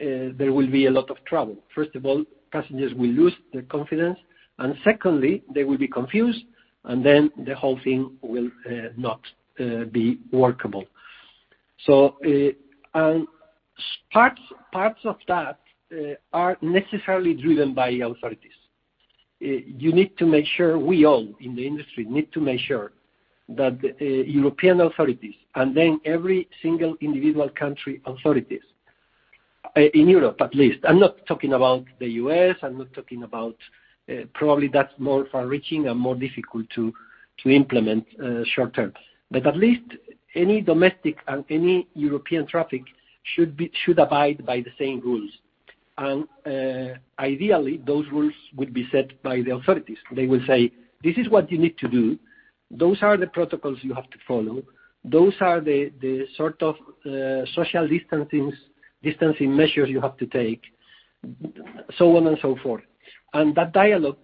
[SPEAKER 3] there will be a lot of trouble. First of all, passengers will lose their confidence, and secondly, they will be confused, and then the whole thing will not be workable. So parts of that are necessarily driven by authorities. You need to make sure we all in the industry need to make sure that European authorities and then every single individual country authorities in Europe, at least. I'm not talking about the U.S. I'm not talking about probably that's more far-reaching and more difficult to implement short-term. But at least any domestic and any European traffic should abide by the same rules. And ideally, those rules would be set by the authorities. They will say, "This is what you need to do. Those are the protocols you have to follow. Those are the sort of social distancing measures you have to take," so on and so forth, and that dialogue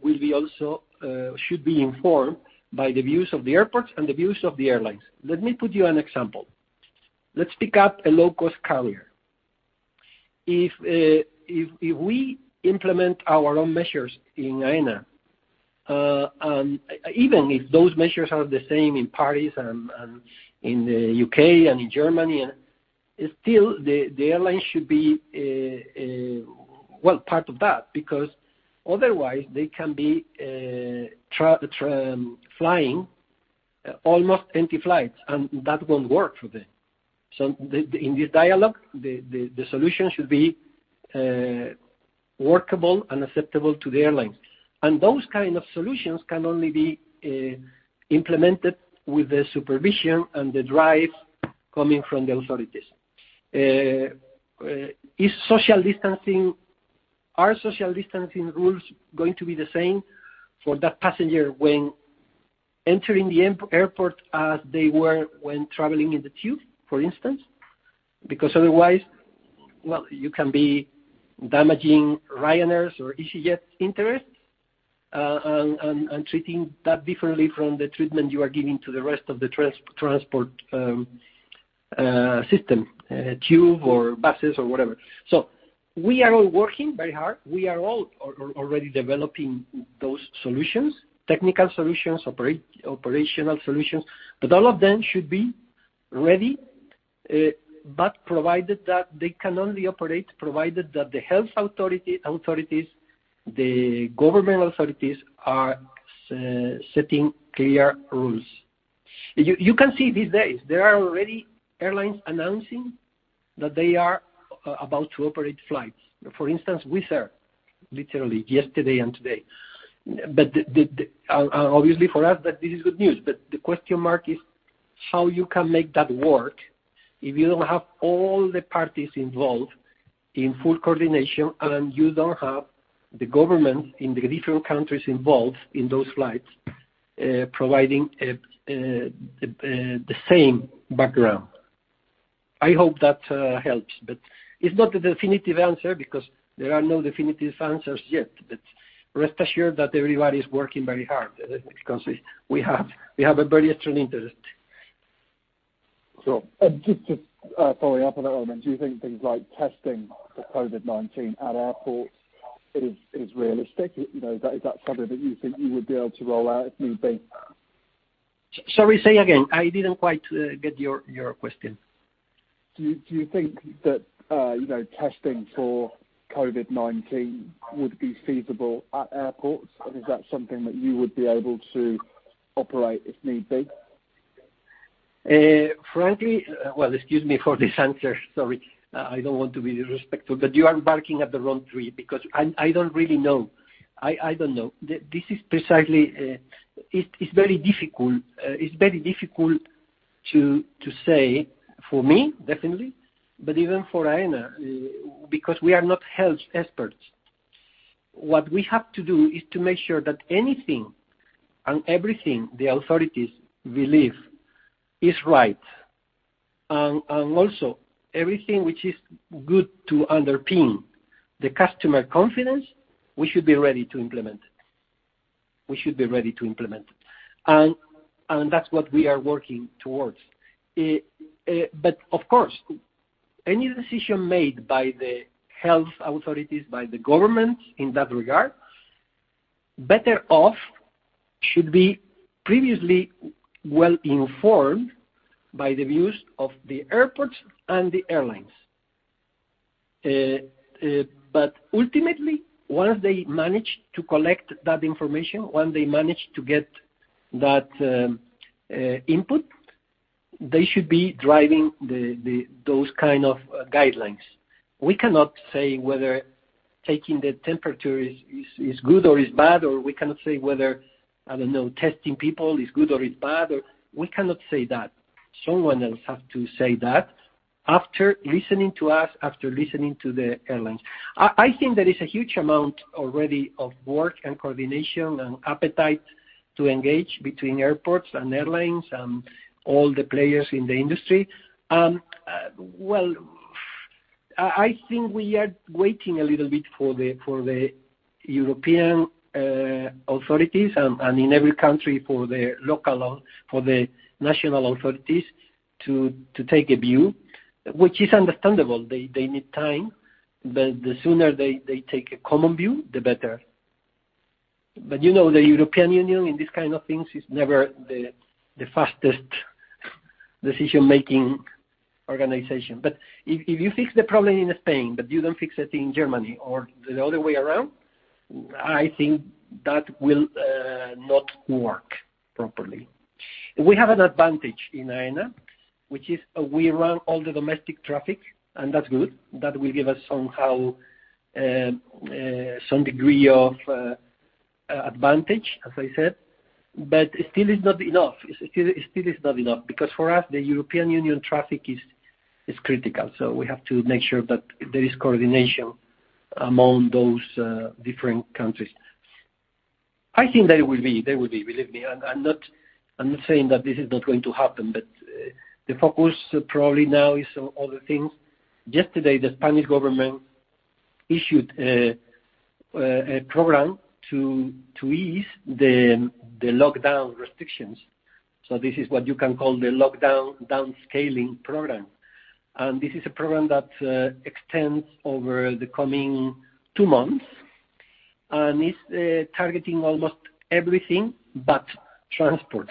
[SPEAKER 3] should be informed by the views of the airports and the views of the airlines. Let me put you an example. Let's pick up a low-cost carrier. If we implement our own measures in Aena, and even if those measures are the same in Paris and in the U.K. and in Germany, still, the airlines should be, well, part of that because otherwise, they can be flying almost empty flights, and that won't work for them, so in this dialogue, the solution should be workable and acceptable to the airlines, and those kinds of solutions can only be implemented with the supervision and the drive coming from the authorities. Are social distancing rules going to be the same for that passenger when entering the airport as they were when traveling in the TUV, for instance? Because otherwise, well, you can be damaging Ryanair's or EasyJet's interests and treating that differently from the treatment you are giving to the rest of the transport system, TUV or buses or whatever. So we are all working very hard. We are all already developing those solutions, technical solutions, operational solutions. But all of them should be ready, but provided that they can only operate provided that the health authorities, the government authorities are setting clear rules. You can see these days, there are already airlines announcing that they are about to operate flights. For instance, Wizz Air, literally yesterday and today. But obviously, for us, that this is good news. But the question is how you can make that work if you don't have all the parties involved in full coordination and you don't have the governments in the different countries involved in those flights providing the same background. I hope that helps, but it's not the definitive answer because there are no definitive answers yet. But rest assured that everybody is working very hard because we have a very strong interest.
[SPEAKER 5] So. And just to follow up on that, I mean, do you think things like testing for COVID-19 at airports is realistic? Is that something that you think you would be able to roll out if need be?
[SPEAKER 3] Sorry, say again. I didn't quite get your question.
[SPEAKER 5] Do you think that testing for COVID-19 would be feasible at airports? And is that something that you would be able to operate if need be?
[SPEAKER 3] Frankly, well, excuse me for this answer. Sorry. I don't want to be disrespectful, but you are barking up the wrong tree because I don't really know. I don't know. This is precisely. It's very difficult. It's very difficult to say for me, definitely, but even for Aena because we are not health experts. What we have to do is to make sure that anything and everything the authorities believe is right. And also, everything which is good to underpin the customer confidence, we should be ready to implement. We should be ready to implement. And that's what we are working towards. But of course, any decision made by the health authorities, by the government in that regard, better off should be previously well-informed by the views of the airports and the airlines. But ultimately, once they manage to collect that information, once they manage to get that input, they should be driving those kinds of guidelines. We cannot say whether taking the temperature is good or is bad, or we cannot say whether, I don't know, testing people is good or is bad, or we cannot say that. Someone else has to say that after listening to us, after listening to the airlines. I think there is a huge amount already of work and coordination and appetite to engage between airports and airlines and all the players in the industry. Well, I think we are waiting a little bit for the European authorities and in every country for the national authorities to take a view, which is understandable. They need time. The sooner they take a common view, the better. But the European Union in this kind of things is never the fastest decision-making organization. But if you fix the problem in Spain, but you don't fix it in Germany or the other way around, I think that will not work properly. We have an advantage in Aena, which is we run all the domestic traffic, and that's good. That will give us some degree of advantage, as I said. But still, it's not enough. It still is not enough because for us, the European Union traffic is critical. So we have to make sure that there is coordination among those different countries. I think there will be. There will be, believe me. I'm not saying that this is not going to happen, but the focus probably now is on other things. Yesterday, the Spanish government issued a program to ease the lockdown restrictions. This is what you can call the lockdown downscaling program. This is a program that extends over the coming two months and is targeting almost everything but transport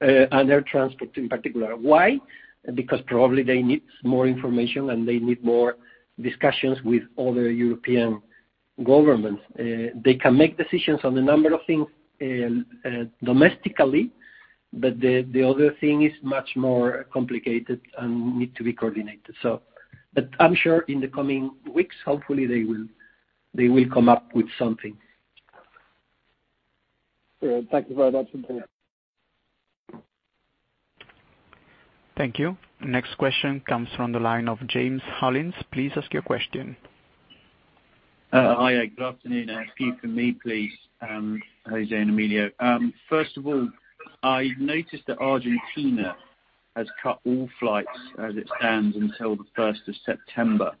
[SPEAKER 3] and air transport in particular. Why? Because probably they need more information and they need more discussions with other European governments. They can make decisions on a number of things domestically, but the other thing is much more complicated and needs to be coordinated. But I'm sure in the coming weeks, hopefully, they will come up with something.
[SPEAKER 5] Thank you very much.
[SPEAKER 1] Thank you. Next question comes from the line of James Hollins. Please ask your question.
[SPEAKER 6] Hi, good afternoon. Thank you for me, please. How are you doing, Emilio? First of all, I noticed that Argentina has cut all flights as it stands until the 1st of September.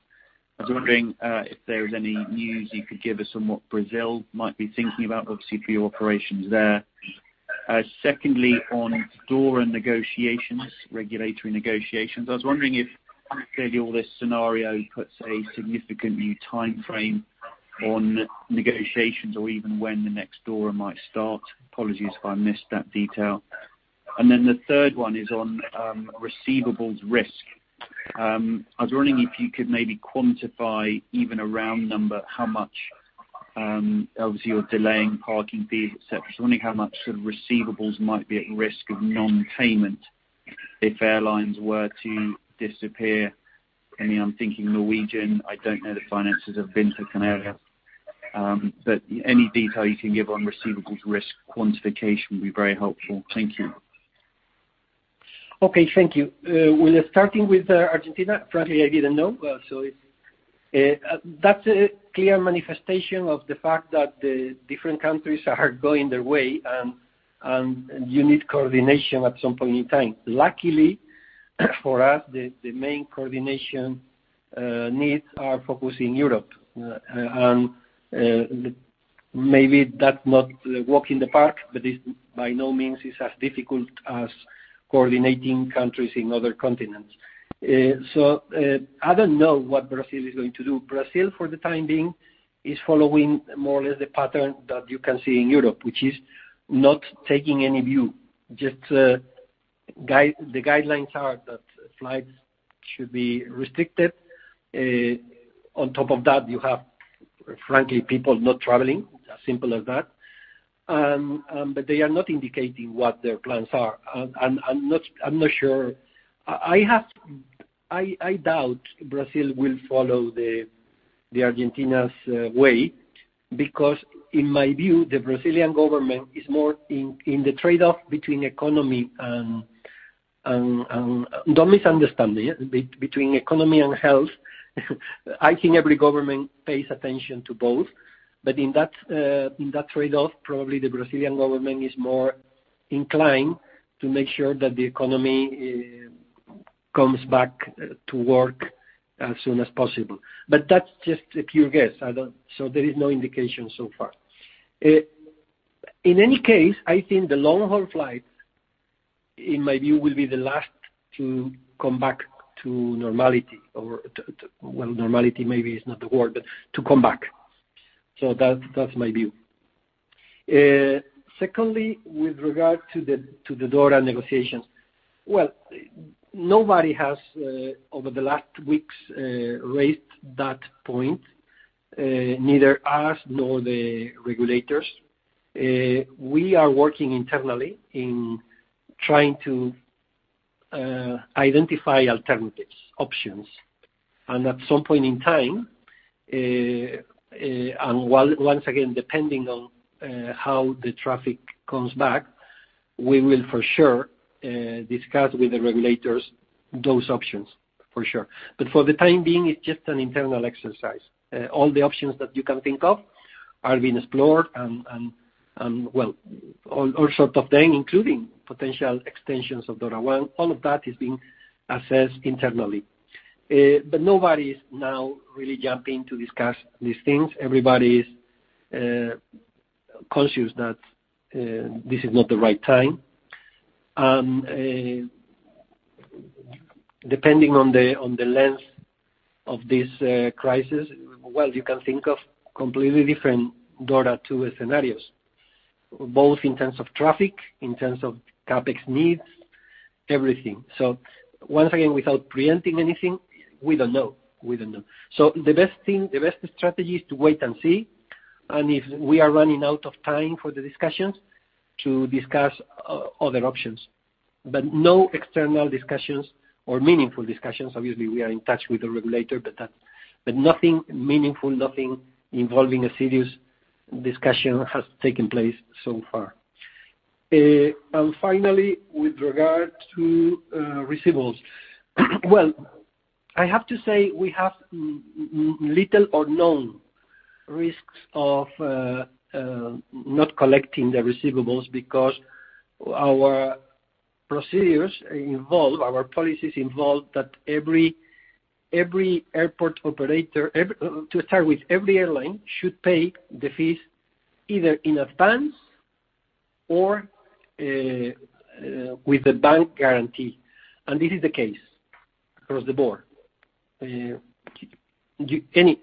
[SPEAKER 6] I was wondering if there was any news you could give us on what Brazil might be thinking about, obviously, for your operations there. Secondly, on DORA negotiations, regulatory negotiations, I was wondering if clearly all this scenario puts a significant new timeframe on negotiations or even when the next DORA might start. Apologies if I missed that detail. And then the third one is on receivables risk. I was wondering if you could maybe quantify even a round number how much, obviously, you're delaying parking fees, etc. So I'm wondering how much sort of receivables might be at risk of non-payment if airlines were to disappear. I mean, I'm thinking Norwegian. I don't know the finances of Binter Canarias. But any detail you can give on receivables risk quantification would be very helpful. Thank you.
[SPEAKER 3] Okay. Thank you. We're starting with Argentina. Frankly, I didn't know. So that's a clear manifestation of the fact that the different countries are going their way, and you need coordination at some point in time. Luckily, for us, the main coordination needs are focusing Europe. And maybe that's not a walk in the park, but by no means is as difficult as coordinating countries in other continents. So I don't know what Brazil is going to do. Brazil, for the time being, is following more or less the pattern that you can see in Europe, which is not taking any view. Just the guidelines are that flights should be restricted. On top of that, you have, frankly, people not traveling. It's as simple as that. But they are not indicating what their plans are. And I'm not sure. I doubt Brazil will follow Argentina's way because, in my view, the Brazilian government is more in the trade-off between economy and, don't misunderstand me, between economy and health. I think every government pays attention to both, but in that trade-off, probably the Brazilian government is more inclined to make sure that the economy comes back to work as soon as possible. That's just a pure guess, so there is no indication so far. In any case, I think the long-haul flights, in my view, will be the last to come back to normality. Well, normality maybe is not the word, but to come back, so that's my view. Secondly, with regard to the DORA negotiations, well, nobody has over the last weeks raised that point, neither us nor the regulators. We are working internally in trying to identify alternatives, options. And at some point in time, and once again, depending on how the traffic comes back, we will for sure discuss with the regulators those options, for sure. But for the time being, it's just an internal exercise. All the options that you can think of are being explored and, well, all sorts of thing, including potential extensions of DORA I. All of that is being assessed internally. But nobody is now really jumping to discuss these things. Everybody is conscious that this is not the right time. And depending on the length of this crisis, well, you can think of completely different DORA II scenarios, both in terms of traffic, in terms of CAPEX needs, everything. So once again, without preempting anything, we don't know. We don't know. So the best strategy is to wait and see. And if we are running out of time for the discussions to discuss other options. But no external discussions or meaningful discussions. Obviously, we are in touch with the regulator, but nothing meaningful, nothing involving a serious discussion has taken place so far. And finally, with regard to receivables, well, I have to say we have little or no risks of not collecting the receivables because our procedures involve, our policies involve that every airport operator, to start with, every airline should pay the fees either in advance or with a bank guarantee. And this is the case across the board.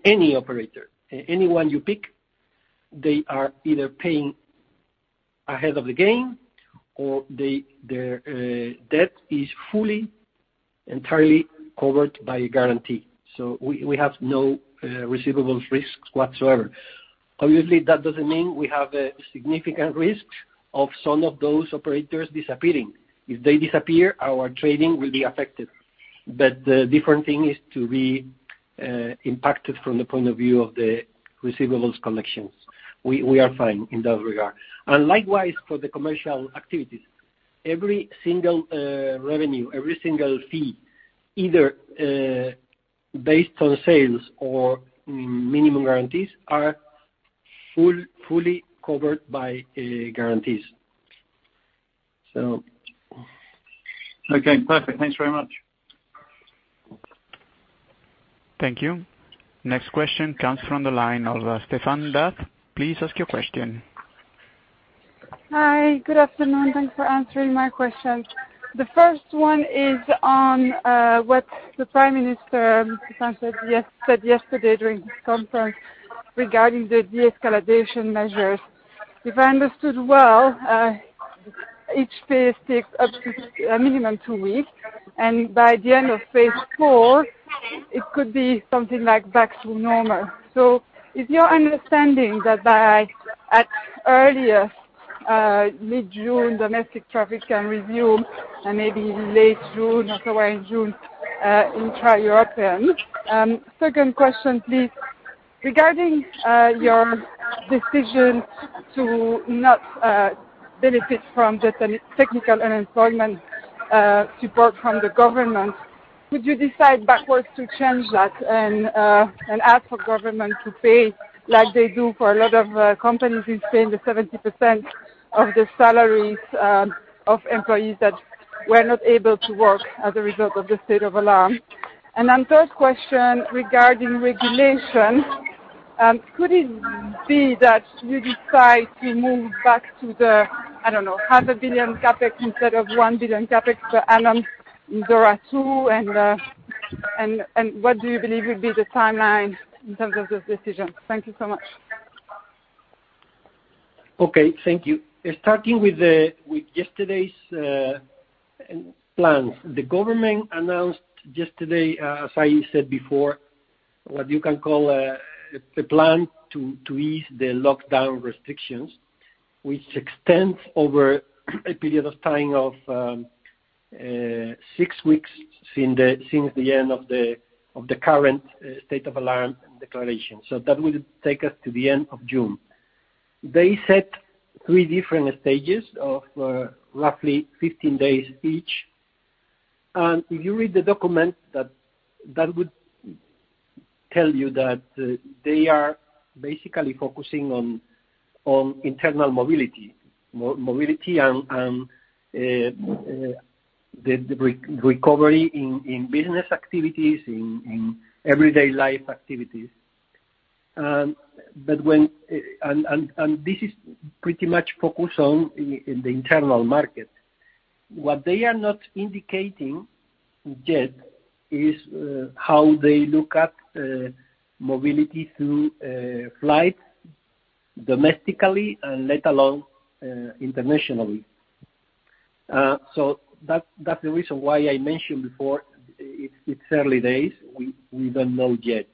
[SPEAKER 3] Any operator, anyone you pick, they are either paying ahead of the game or their debt is fully, entirely covered by a guarantee. So we have no receivables risks whatsoever. Obviously, that doesn't mean we have a significant risk of some of those operators disappearing. If they disappear, our trading will be affected. But the different thing is to be impacted from the point of view of the receivables collections. We are fine in that regard. And likewise for the commercial activities. Every single revenue, every single fee, either based on sales or minimum guarantees, are fully covered by guarantees. So.
[SPEAKER 5] Okay. Perfect. Thanks very much.
[SPEAKER 1] Thank you. Next question comes from the line of Stephanie D'Ath. Please ask your question. Hi. Good afternoon.
[SPEAKER 7] Thanks for answering my question. The first one is on what the Prime Minister said yesterday during his conference regarding the de-escalation measures. If I understood well, each phase takes up to a minimum two weeks. And by the end of phase four, it could be something like back to normal. So it's your understanding that by earliest mid-June, domestic traffic can resume and maybe late June or somewhere in June in intra-European. Second question, please. Regarding your decision to not benefit from the technical unemployment support from the government, could you decide backwards to change that and ask for government to pay like they do for a lot of companies in Spain the 70% of the salaries of employees that were not able to work as a result of the state of alarm? And then third question regarding regulation. Could it be that you decide to move back to the, I don't know, 500 million CAPEX instead of 1 billion CAPEX and DORA II? And what do you believe would be the timeline in terms of this decision? Thank you so much.
[SPEAKER 3] Okay. Thank you. Starting with yesterday's plans, the government announced yesterday, as I said before, what you can call a plan to ease the lockdown restrictions, which extends over a period of time of six weeks since the end of the current State of Alarm declaration. So that will take us to the end of June. They set three different stages of roughly 15 days each. And if you read the document, that would tell you that they are basically focusing on internal mobility, mobility and the recovery in business activities, in everyday life activities. And this is pretty much focused on the internal market. What they are not indicating yet is how they look at mobility through flights domestically and let alone internationally. So that's the reason why I mentioned before it's early days. We don't know yet.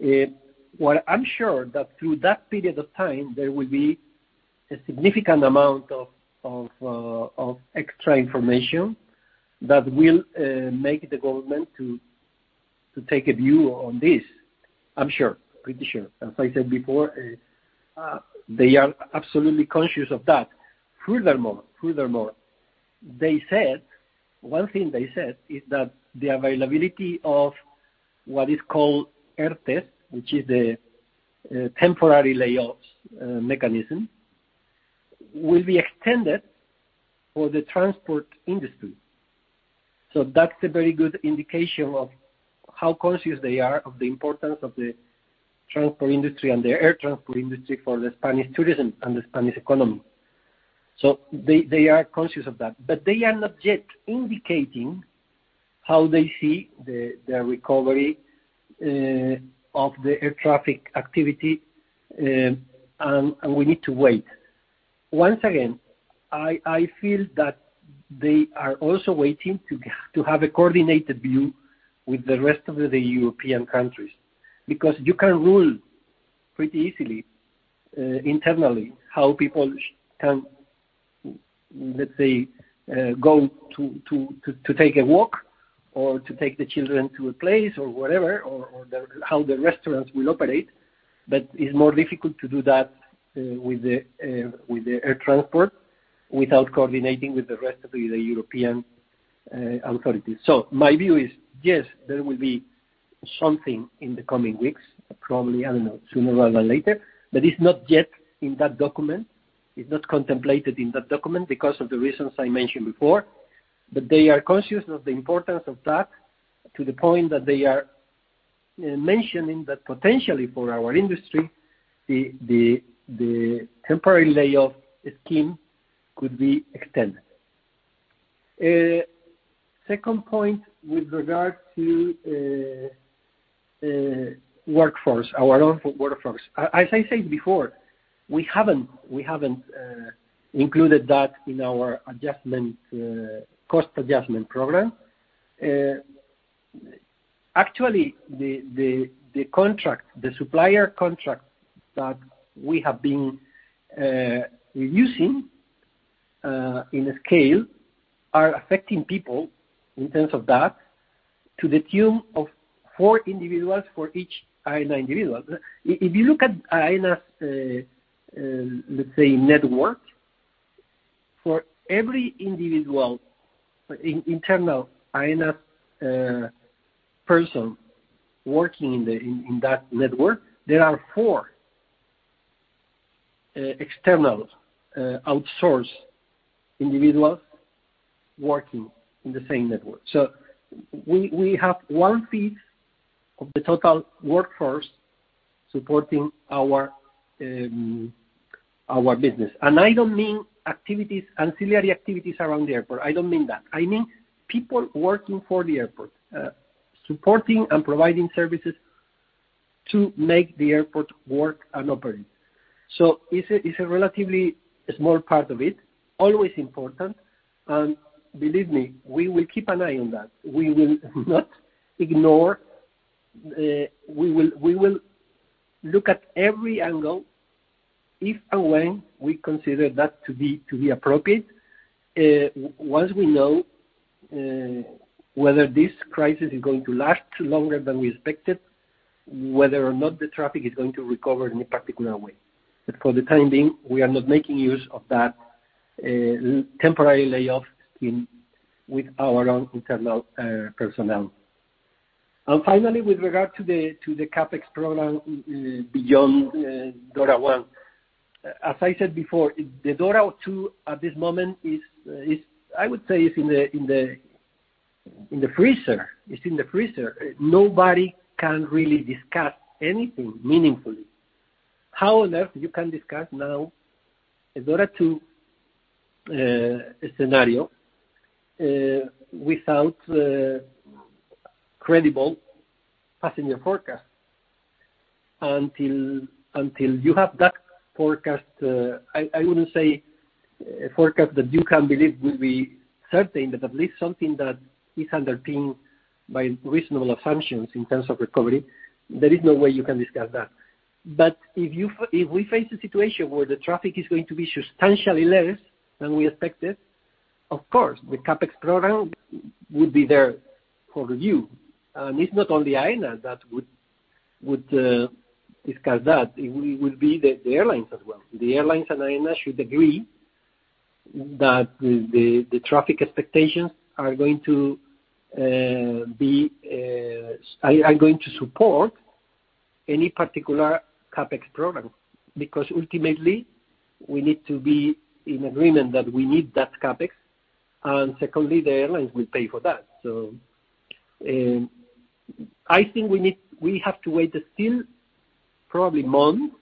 [SPEAKER 3] I'm sure that through that period of time, there will be a significant amount of extra information that will make the government take a view on this. I'm sure, pretty sure. As I said before, they are absolutely conscious of that. Furthermore, they said one thing they said is that the availability of what is called ERTEs, which is the temporary layoffs mechanism, will be extended for the transport industry. So that's a very good indication of how conscious they are of the importance of the transport industry and the air transport industry for the Spanish tourism and the Spanish economy. So they are conscious of that. But they are not yet indicating how they see the recovery of the air traffic activity, and we need to wait. Once again, I feel that they are also waiting to have a coordinated view with the rest of the European countries because you can rule pretty easily internally how people can, let's say, go to take a walk or to take the children to a place or whatever, or how the restaurants will operate. But it's more difficult to do that with the air transport without coordinating with the rest of the European authorities. So my view is, yes, there will be something in the coming weeks, probably, I don't know, sooner rather than later. But it's not yet in that document. It's not contemplated in that document because of the reasons I mentioned before. But they are conscious of the importance of that to the point that they are mentioning that potentially for our industry, the temporary layoff scheme could be extended. Second point with regard to workforce, our own workforce. As I said before, we haven't included that in our cost adjustment program. Actually, the supplier contract that we have been using in scale are affecting people in terms of that to the tune of four individuals for each Aena individual. If you look at Aena's, let's say, network, for every internal Aena's person working in that network, there are four external outsourced individuals working in the same network. So we have one-fifth of the total workforce supporting our business. And I don't mean ancillary activities around the airport. I don't mean that. I mean people working for the airport, supporting and providing services to make the airport work and operate. So it's a relatively small part of it, always important, and believe me, we will keep an eye on that. We will not ignore. We will look at every angle if and when we consider that to be appropriate. Once we know whether this crisis is going to last longer than we expected, whether or not the traffic is going to recover in a particular way. But for the time being, we are not making use of that temporary layoff with our own internal personnel. And finally, with regard to the CAPEX program beyond DORA I, as I said before, the DORA II at this moment is, I would say, in the freezer. It's in the freezer. Nobody can really discuss anything meaningfully. However, you can discuss now a DORA II scenario without credible passenger forecast. Until you have that forecast, I wouldn't say a forecast that you can believe will be certain, but at least something that is underpinned by reasonable assumptions in terms of recovery, there is no way you can discuss that. But if we face a situation where the traffic is going to be substantially less than we expected, of course, the CAPEX program would be there for review. And it's not only Aena that would discuss that. It would be the airlines as well. The airlines and Aena should agree that the traffic expectations are going to be going to support any particular CAPEX program because ultimately, we need to be in agreement that we need that CAPEX. And secondly, the airlines will pay for that. So I think we have to wait still probably months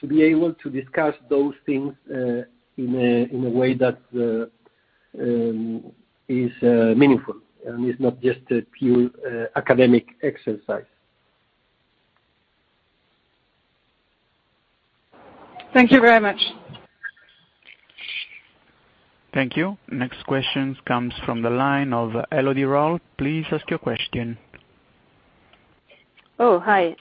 [SPEAKER 3] to be able to discuss those things in a way that is meaningful and is not just a pure academic exercise.
[SPEAKER 7] Thank you very much.
[SPEAKER 1] Thank you. Next question comes from the line of Elodie Rall. Please ask your question.
[SPEAKER 8] Oh, hi.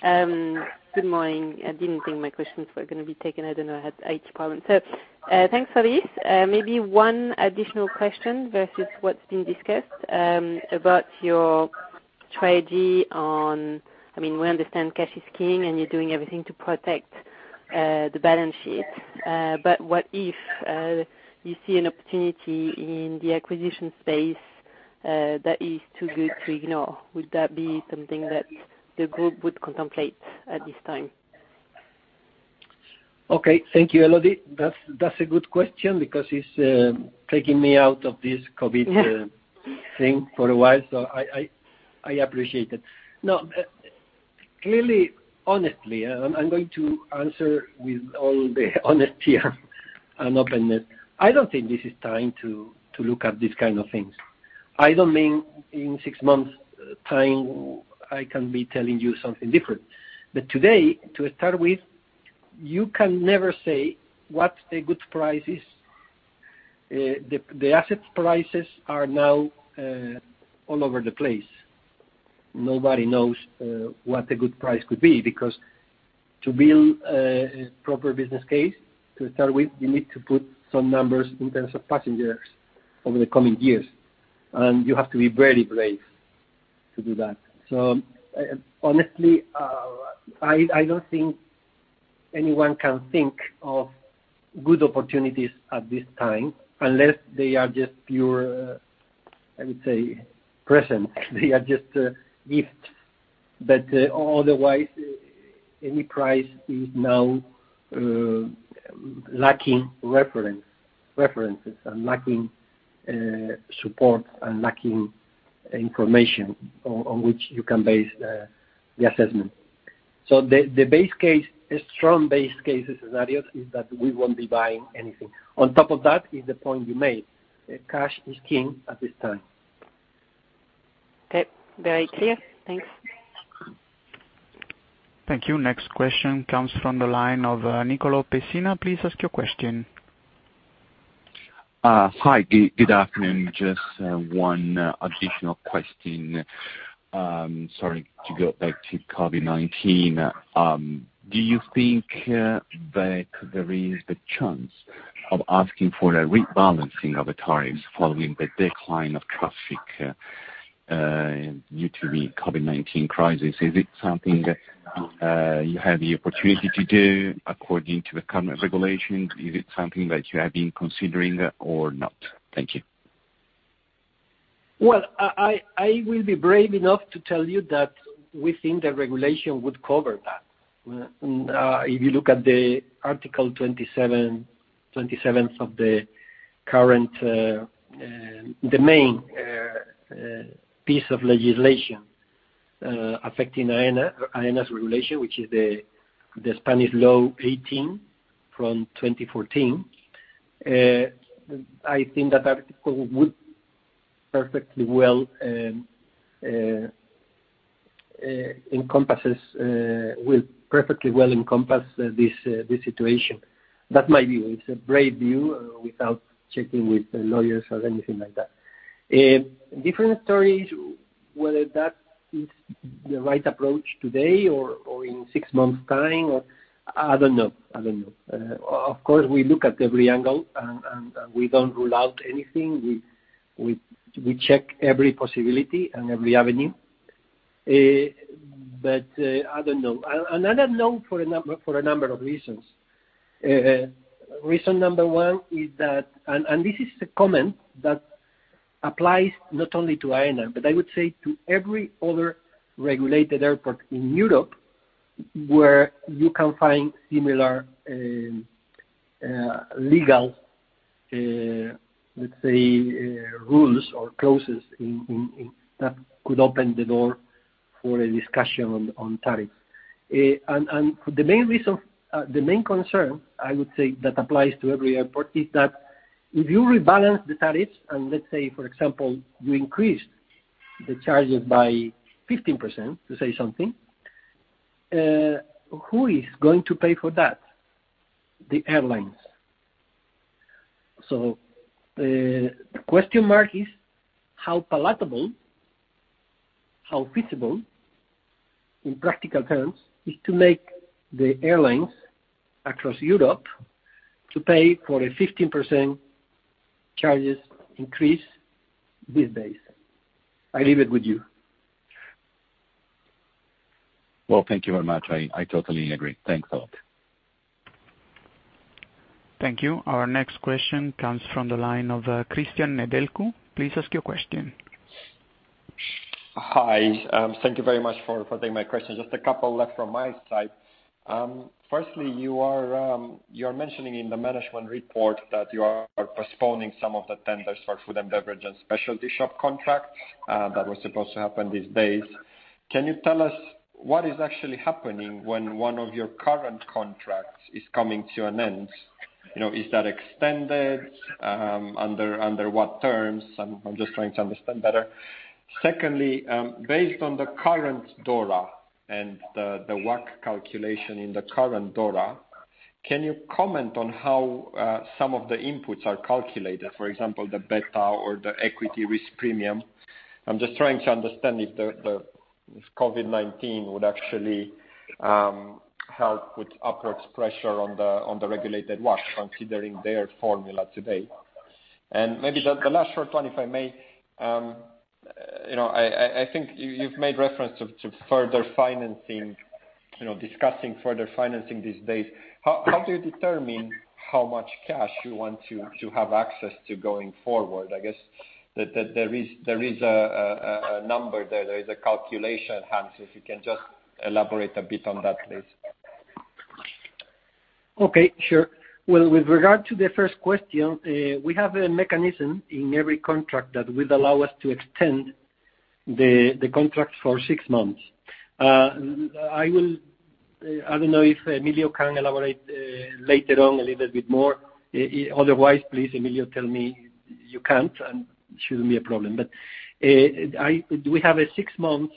[SPEAKER 8] Good morning. I didn't think my questions were going to be taken. I don't know. I had eight problems. So thanks, Elodie. Maybe one additional question versus what's been discussed about your strategy on, I mean, we understand cash is king and you're doing everything to protect the balance sheet. But what if you see an opportunity in the acquisition space that is too good to ignore? Would that be something that the group would contemplate at this time?
[SPEAKER 3] Okay. Thank you, Elodie. That's a good question because it's taking me out of this COVID thing for a while. So I appreciate it. No, clearly, honestly, and I'm going to answer with all the honesty and openness. I don't think this is time to look at these kinds of things. I don't mean in six months' time I can be telling you something different. But today, to start with, you can never say what the good price is. The asset prices are now all over the place. Nobody knows what the good price could be because to build a proper business case, to start with, you need to put some numbers in terms of passengers over the coming years. And you have to be very brave to do that. So honestly, I don't think anyone can think of good opportunities at this time unless they are just pure, I would say, present. They are just gifts. But otherwise, any price is now lacking references and lacking support and lacking information on which you can base the assessment. So the base case, a strong base case scenario is that we won't be buying anything. On top of that is the point you made. Cash is king at this time.
[SPEAKER 8] Okay. Very clear. Thanks.
[SPEAKER 1] Thank you. Next question comes from the line of Nicolo Pessina. Please ask your question.
[SPEAKER 9] Hi. Good afternoon. Just one additional question. Sorry to go back to COVID-19. Do you think that there is the chance of asking for a rebalancing of the tariffs following the decline of traffic due to the COVID-19 crisis? Is it something that you have the opportunity to do according to the current regulations? Is it something that you have been considering or not? Thank you.
[SPEAKER 3] Well, I will be brave enough to tell you that we think the regulation would cover that. If you look at the Article 27 of the current main piece of legislation affecting Aena's regulation, which is the Spanish Law 18 from 2014, I think that Article would perfectly well encompass this situation. That's my view. It's a brave view without checking with lawyers or anything like that. Different stories, whether that is the right approach today or in six months' time, I don't know. I don't know. Of course, we look at every angle and we don't rule out anything. We check every possibility and every avenue. But I don't know. And I don't know for a number of reasons. Reason number one is that, and this is a comment that applies not only to Aena, but I would say to every other regulated airport in Europe where you can find similar legal, let's say, rules or clauses that could open the door for a discussion on tariffs. And the main reason, the main concern, I would say, that applies to every airport is that if you rebalance the tariffs and let's say, for example, you increase the charges by 15%, to say something, who is going to pay for that? The airlines. So the question is how palatable, how feasible in practical terms is to make the airlines across Europe to pay for a 15% charges increase these days. I leave it with you.
[SPEAKER 9] Well, thank you very much. I totally agree. Thanks a lot.
[SPEAKER 1] Thank you. Our next question comes from the line of Cristian Nedelcu. Please ask your question.
[SPEAKER 10] Hi. Thank you very much for taking my question. Just a couple left from my side. Firstly, you are mentioning in the management report that you are postponing some of the tenders for food and beverage and specialty shop contracts. That was supposed to happen these days. Can you tell us what is actually happening when one of your current contracts is coming to an end? Is that extended? Under what terms? I'm just trying to understand better. Secondly, based on the current DORA and the WACC calculation in the current DORA, can you comment on how some of the inputs are calculated? For example, the beta or the equity risk premium. I'm just trying to understand if COVID-19 would actually help with upward pressure on the regulated WACC considering their formula today. And maybe the last short one, if I may, I think you've made reference to further financing, discussing further financing these days. How do you determine how much cash you want to have access to going forward? I guess that there is a number there. There is a calculation. Perhaps if you can just elaborate a bit on that, please.
[SPEAKER 3] Okay. Sure. Well, with regard to the first question, we have a mechanism in every contract that will allow us to extend the contract for six months. I don't know if Emilio can elaborate later on a little bit more. Otherwise, please, Emilio, tell me you can't. It shouldn't be a problem, but we have a six-month,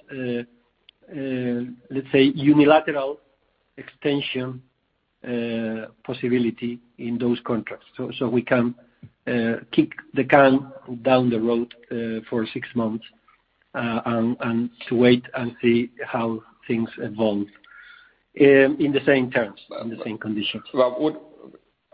[SPEAKER 3] let's say, unilateral extension possibility in those contracts, so we can kick the can down the road for six months and wait and see how things evolve in the same terms, in the same conditions.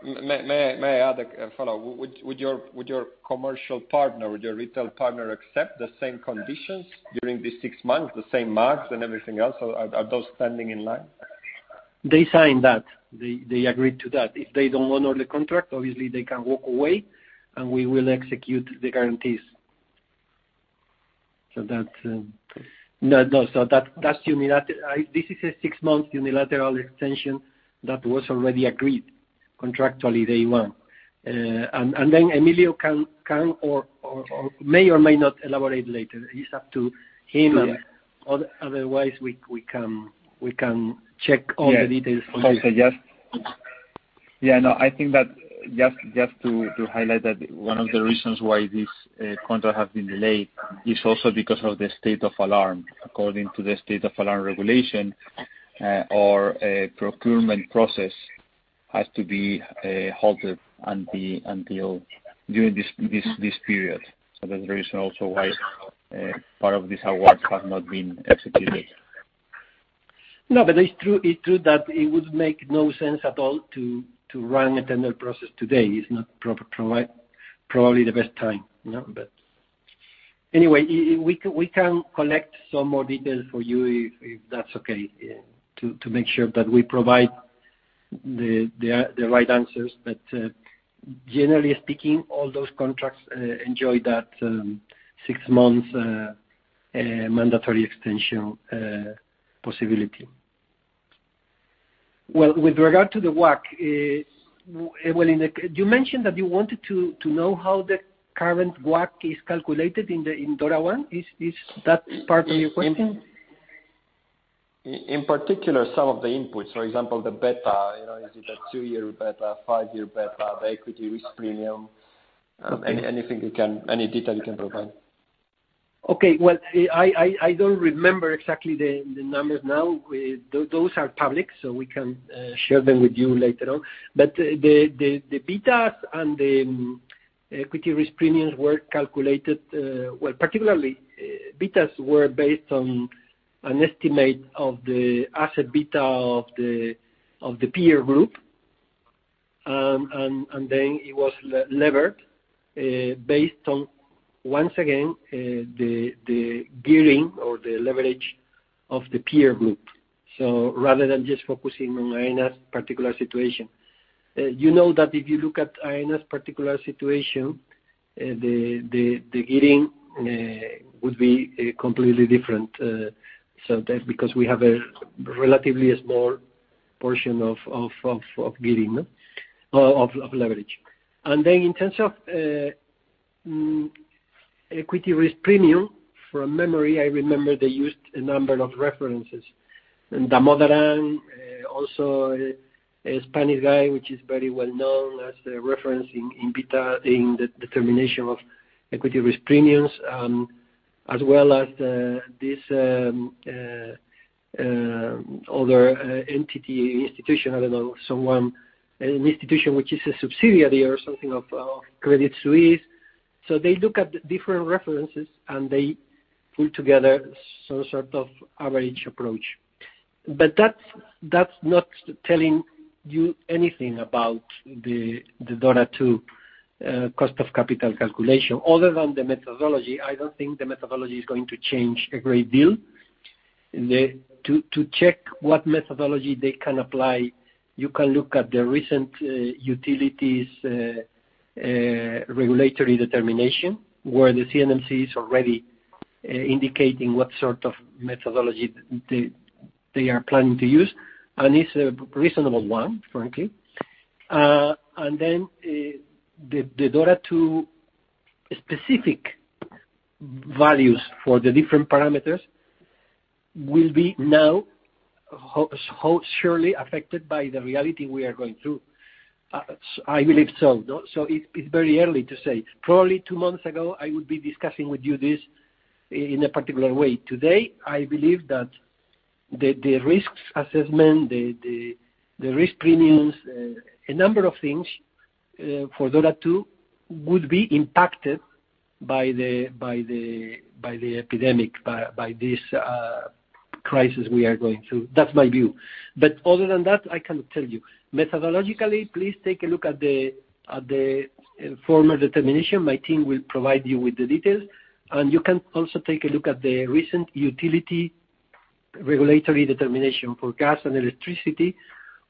[SPEAKER 10] May I add a follow-up? Would your commercial partner, would your retail partner accept the same conditions during these six months, the same marks and everything else? Are those standing in line?
[SPEAKER 3] They signed that. They agreed to that. If they don't honor the contract, obviously, they can walk away and we will execute the guarantees, so that's unilateral. This is a six-month unilateral extension that was already agreed contractually day one, and then Emilio can or may or may not elaborate later. It's up to him. Otherwise, we can check all the details for you.
[SPEAKER 10] Yeah. No, I think that just to highlight that one of the reasons why this contract has been delayed is also because of the State of Alarm. According to the State of Alarm regulation, our procurement process has to be halted until during this period. So that's the reason also why part of this award has not been executed.
[SPEAKER 3] No, but it's true that it would make no sense at all to run a tender process today. It's not probably the best time. But anyway, we can collect some more details for you if that's okay to make sure that we provide the right answers. But generally speaking, all those contracts enjoy that six-month mandatory extension possibility. With regard to the WACC, you mentioned that you wanted to know how the current WACC is calculated in DORA I. Is that part of your question? In particular, some of the inputs. For example, the beta. Is it a two-year beta, five-year beta, the equity risk premium? Any detail you can provide. Okay. I don't remember exactly the numbers now. Those are public, so we can share them with you later on. But the beta and the equity risk premiums were calculated. Particularly, beta were based on an estimate of the asset beta of the peer group. And then it was levered based on, once again, the gearing or the leverage of the peer group. So rather than just focusing on Aena's particular situation. You know that if you look at Aena's particular situation, the gearing would be completely different because we have a relatively small portion of gearing, of leverage, and then in terms of equity risk premium, from memory, I remember they used a number of references. Damodaran, also a Spanish guy, which is very well known as a reference in beta in the determination of equity risk premiums, as well as this other entity, institution, I don't know, an institution which is a subsidiary or something of Credit Suisse. So they look at different references and they put together some sort of average approach. But that's not telling you anything about the DORA II cost of capital calculation. Other than the methodology, I don't think the methodology is going to change a great deal. To check what methodology they can apply, you can look at the recent utilities regulatory determination where the CNMC is already indicating what sort of methodology they are planning to use. And it's a reasonable one, frankly. And then the DORA II specific values for the different parameters will be now surely affected by the reality we are going through. I believe so. So it's very early to say. Probably two months ago, I would be discussing with you this in a particular way. Today, I believe that the risk assessment, the risk premiums, a number of things for DORA II would be impacted by the epidemic, by this crisis we are going through. That's my view. But other than that, I can tell you. Methodologically, please take a look at the former determination. My team will provide you with the details. And you can also take a look at the recent utility regulatory determination for gas and electricity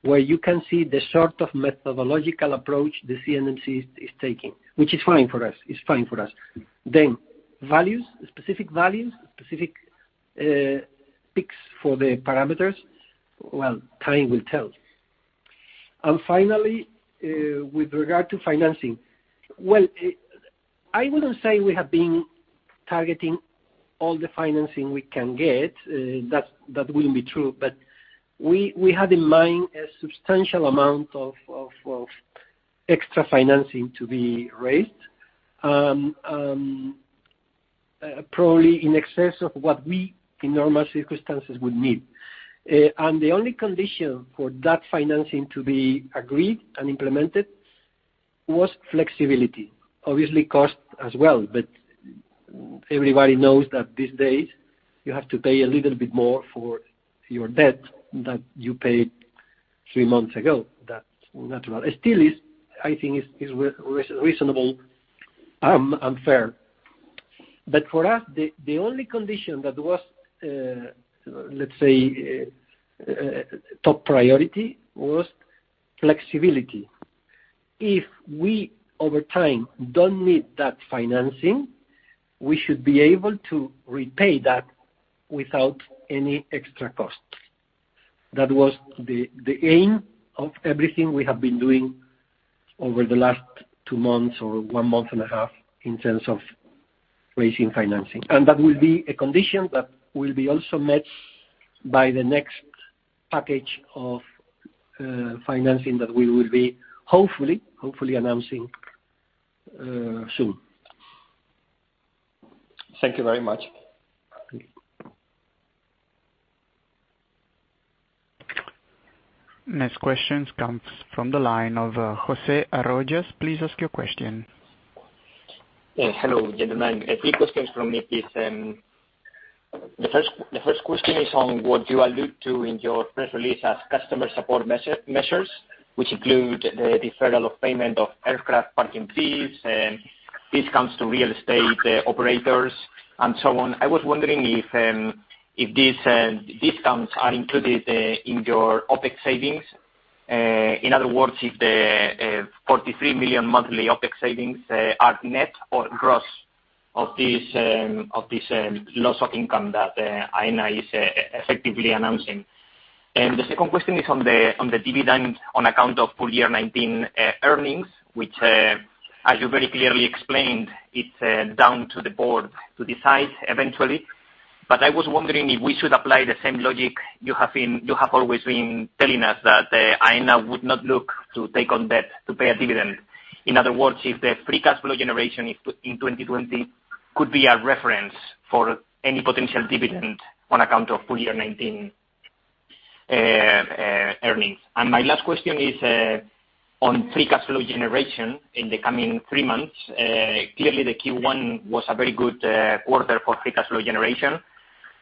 [SPEAKER 3] where you can see the sort of methodological approach the CNMC is taking, which is fine for us. It's fine for us. Then values, specific values, specific picks for the parameters. Well, time will tell. And finally, with regard to financing. Well, I wouldn't say we have been targeting all the financing we can get. That wouldn't be true. But we had in mind a substantial amount of extra financing to be raised, probably in excess of what we, in normal circumstances, would need. And the only condition for that financing to be agreed and implemented was flexibility. Obviously, cost as well. But everybody knows that these days, you have to pay a little bit more for your debt that you paid three months ago. That's natural. Still, I think it's reasonable and fair. But for us, the only condition that was, let's say, top priority was flexibility. If we, over time, don't need that financing, we should be able to repay that without any extra cost. That was the aim of everything we have been doing over the last two months or one month and a half in terms of raising financing. And that will be a condition that will be also met by the next package of financing that we will be, hopefully, announcing soon. Thank you very much.
[SPEAKER 1] Next question comes from the line of José Arroyas. Please ask your question.
[SPEAKER 11] Hello, gentlemen. A few questions from me, please. The first question is on what you allude to in your press release as customer support measures, which include the deferral of payment of aircraft parking fees and discounts to real estate operators and so on. I was wondering if these discounts are included in your OpEx savings. In other words, if the 43 million monthly OpEx savings are net or gross of this loss of income that Aena is effectively announcing. And the second question is on the dividend on account of full year 2019 earnings, which, as you very clearly explained, it's down to the board to decide eventually. But I was wondering if we should apply the same logic you have always been telling us that Aena would not look to take on debt to pay a dividend. In other words, if the free cash flow generation in 2020 could be a reference for any potential dividend on account of full year 2019 earnings, and my last question is on free cash flow generation in the coming three months. Clearly, the Q1 was a very good quarter for free cash flow generation,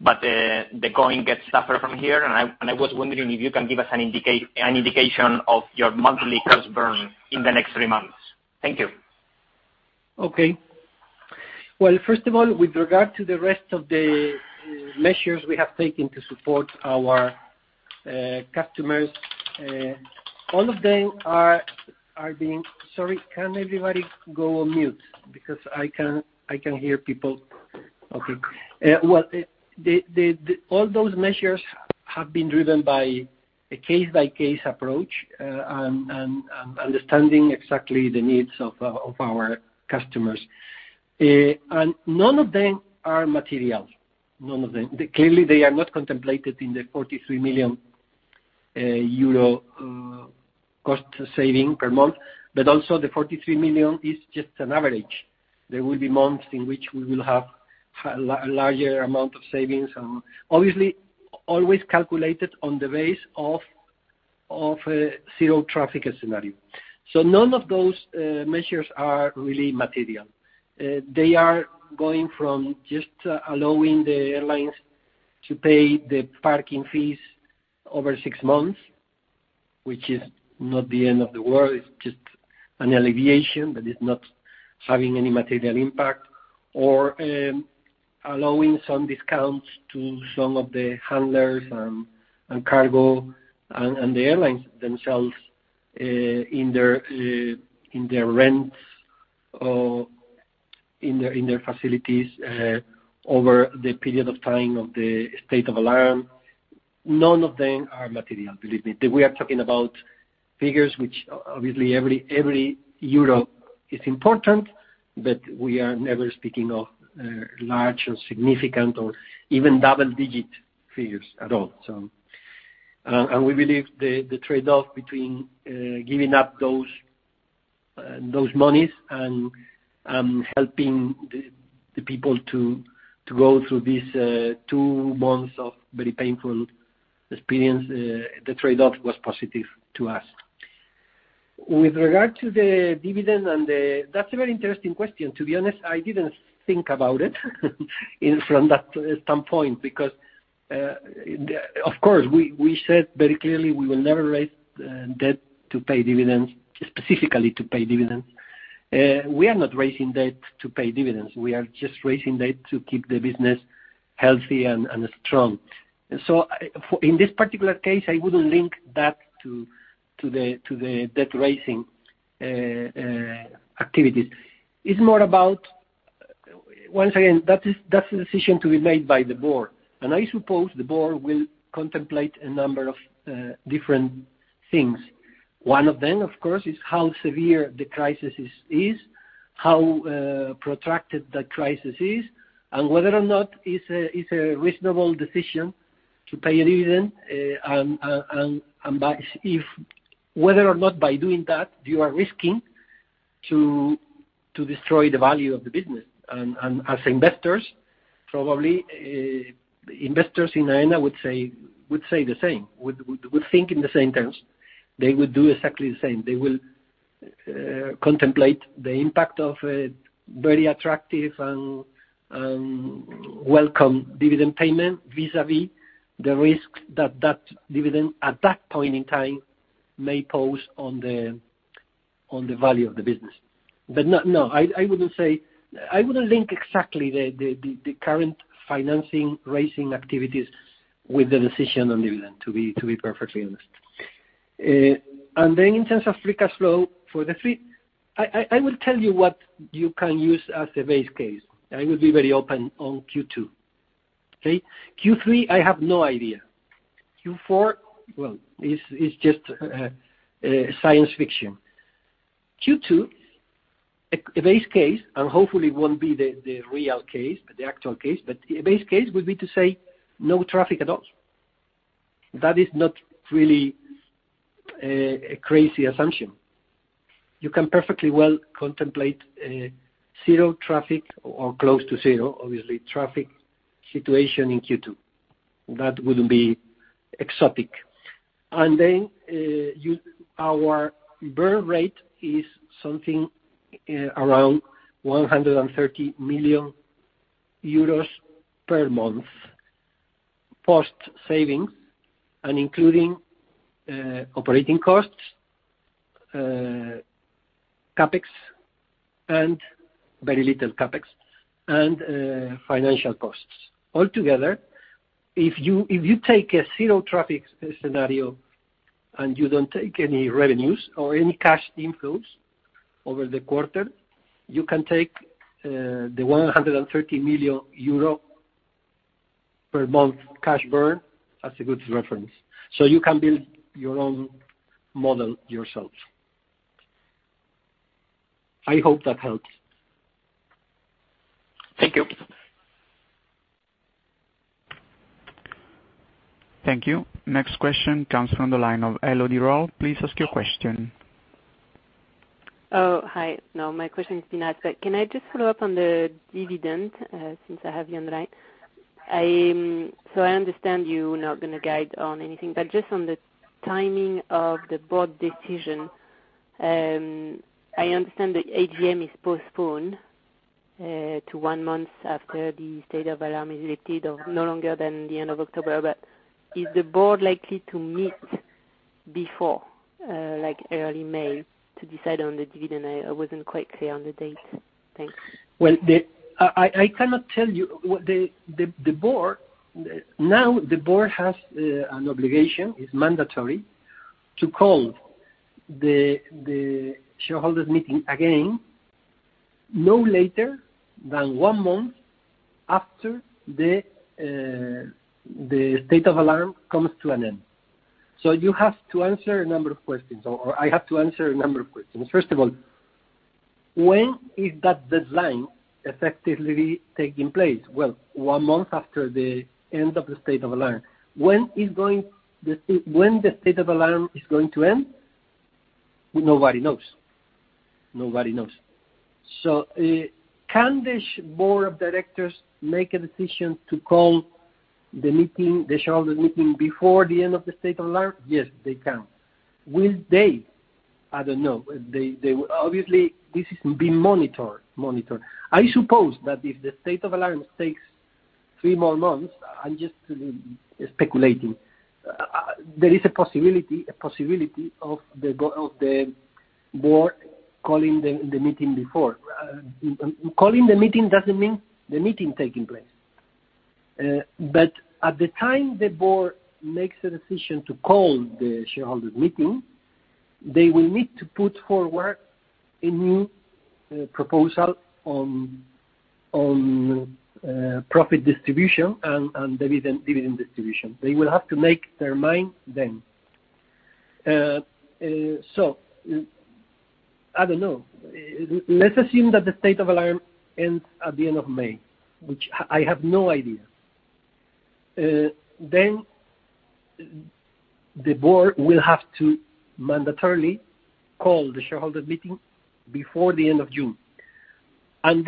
[SPEAKER 11] but the going gets tougher from here, and I was wondering if you can give us an indication of your monthly cash burn in the next three months. Thank you.
[SPEAKER 3] Okay, well, first of all, with regard to the rest of the measures we have taken to support our customers, all of them are being, sorry, can everybody go on mute? Because I can hear people. Okay, well, all those measures have been driven by a case-by-case approach and understanding exactly the needs of our customers, and none of them are material. None of them. Clearly, they are not contemplated in the 43 million euro cost saving per month. But also, the 43 million is just an average. There will be months in which we will have a larger amount of savings. Obviously, always calculated on the basis of a zero-traffic scenario. So none of those measures are really material. They are going from just allowing the airlines to pay the parking fees over six months, which is not the end of the world. It's just an alleviation, but it's not having any material impact. Or allowing some discounts to some of the handlers and cargo and the airlines themselves in their rents, in their facilities over the period of time of the State of Alarm. None of them are material, believe me. We are talking about figures which, obviously, every euro is important, but we are never speaking of large or significant or even double-digit figures at all, and we believe the trade-off between giving up those monies and helping the people to go through these two months of very painful experience, the trade-off was positive to us. With regard to the dividend, that's a very interesting question. To be honest, I didn't think about it from that standpoint because, of course, we said very clearly we will never raise debt to pay dividends, specifically to pay dividends. We are not raising debt to pay dividends. We are just raising debt to keep the business healthy and strong, so in this particular case, I wouldn't link that to the debt raising activities. It's more about, once again, that's a decision to be made by the board. I suppose the board will contemplate a number of different things. One of them, of course, is how severe the crisis is, how protracted the crisis is, and whether or not it's a reasonable decision to pay a dividend. Whether or not by doing that, you are risking to destroy the value of the business. As investors, probably investors in AENA would say the same. We would think in the same terms. They would do exactly the same. They will contemplate the impact of a very attractive and welcome dividend payment vis-à-vis the risk that that dividend, at that point in time, may pose on the value of the business. But no, I wouldn't say I wouldn't link exactly the current financing raising activities with the decision on dividend, to be perfectly honest. And then in terms of free cash flow for the three, I will tell you what you can use as a base case. I will be very open on Q2. Okay? Q3, I have no idea. Q4, well, it's just science fiction. Q2, a base case, and hopefully, it won't be the real case, the actual case, but a base case would be to say no traffic at all. That is not really a crazy assumption. You can perfectly well contemplate zero traffic or close to zero, obviously, traffic situation in Q2. That wouldn't be exotic. And then our burn rate is something around 130 million euros per month post savings, including operating costs, CapEx, and very little CapEx, and financial costs. Altogether, if you take a zero-traffic scenario and you don't take any revenues or any cash inflows over the quarter, you can take the 130 million euro per month cash burn as a good reference. So you can build your own model yourself. I hope that helps.
[SPEAKER 11] Thank you.
[SPEAKER 1] Thank you. Next question comes from the line of Elodie Rall. Please ask your question.
[SPEAKER 8] Oh, hi. No, my question is being asked. Can I just follow up on the dividend since I have you on the line? So I understand you're not going to guide on anything, but just on the timing of the board decision, I understand the AGM is postponed to one month after the State of Alarm is lifted or no longer than the end of October. But is the board likely to meet before, like early May, to decide on the dividend? I wasn't quite clear on the date. Thanks.
[SPEAKER 3] Well, I cannot tell you. Now, the board has an obligation. It's mandatory to call the shareholders' meeting again no later than one month after the State of Alarm comes to an end. So you have to answer a number of questions, or I have to answer a number of questions. First of all, when is that deadline effectively taking place? Well, one month after the end of the State of Alarm. When is the State of Alarm going to end? Nobody knows. Nobody knows. So can the board of directors make a decision to call the shareholders' meeting before the end of the State of Alarm? Yes, they can. Will they? I don't know. Obviously, this is being monitored. I suppose that if the State of Alarm takes three more months, I'm just speculating, there is a possibility of the board calling the meeting before. Calling the meeting doesn't mean the meeting taking place. But at the time the board makes a decision to call the shareholders' meeting, they will need to put forward a new proposal on profit distribution and dividend distribution. They will have to make their mind then. So I don't know. Let's assume that the State of Alarm ends at the end of May, which I have no idea. Then the board will have to mandatorily call the shareholders' meeting before the end of June. And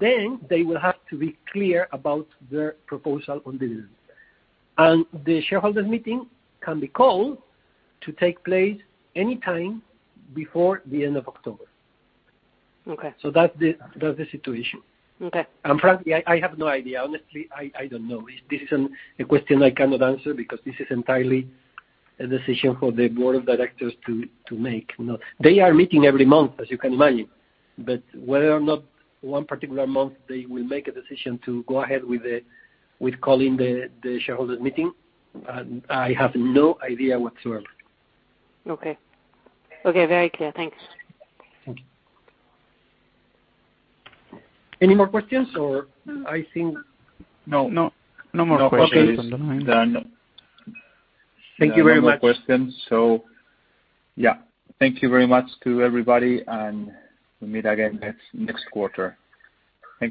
[SPEAKER 3] then they will have to be clear about their proposal on dividends. And the shareholders' meeting can be called to take place anytime before the end of October. So that's the situation. And frankly, I have no idea. Honestly, I don't know. This is a question I cannot answer because this is entirely a decision for the board of directors to make. They are meeting every month, as you can imagine. But whether or not one particular month they will make a decision to go ahead with calling the shareholders' meeting, I have no idea whatsoever.
[SPEAKER 8] Okay. Okay. Very clear. Thanks.
[SPEAKER 3] Thank you. Any more questions? Or I think. No. No more questions. Okay. Thank you very much. No more questions. So yeah. Thank you very much to everybody. And we meet again next quarter.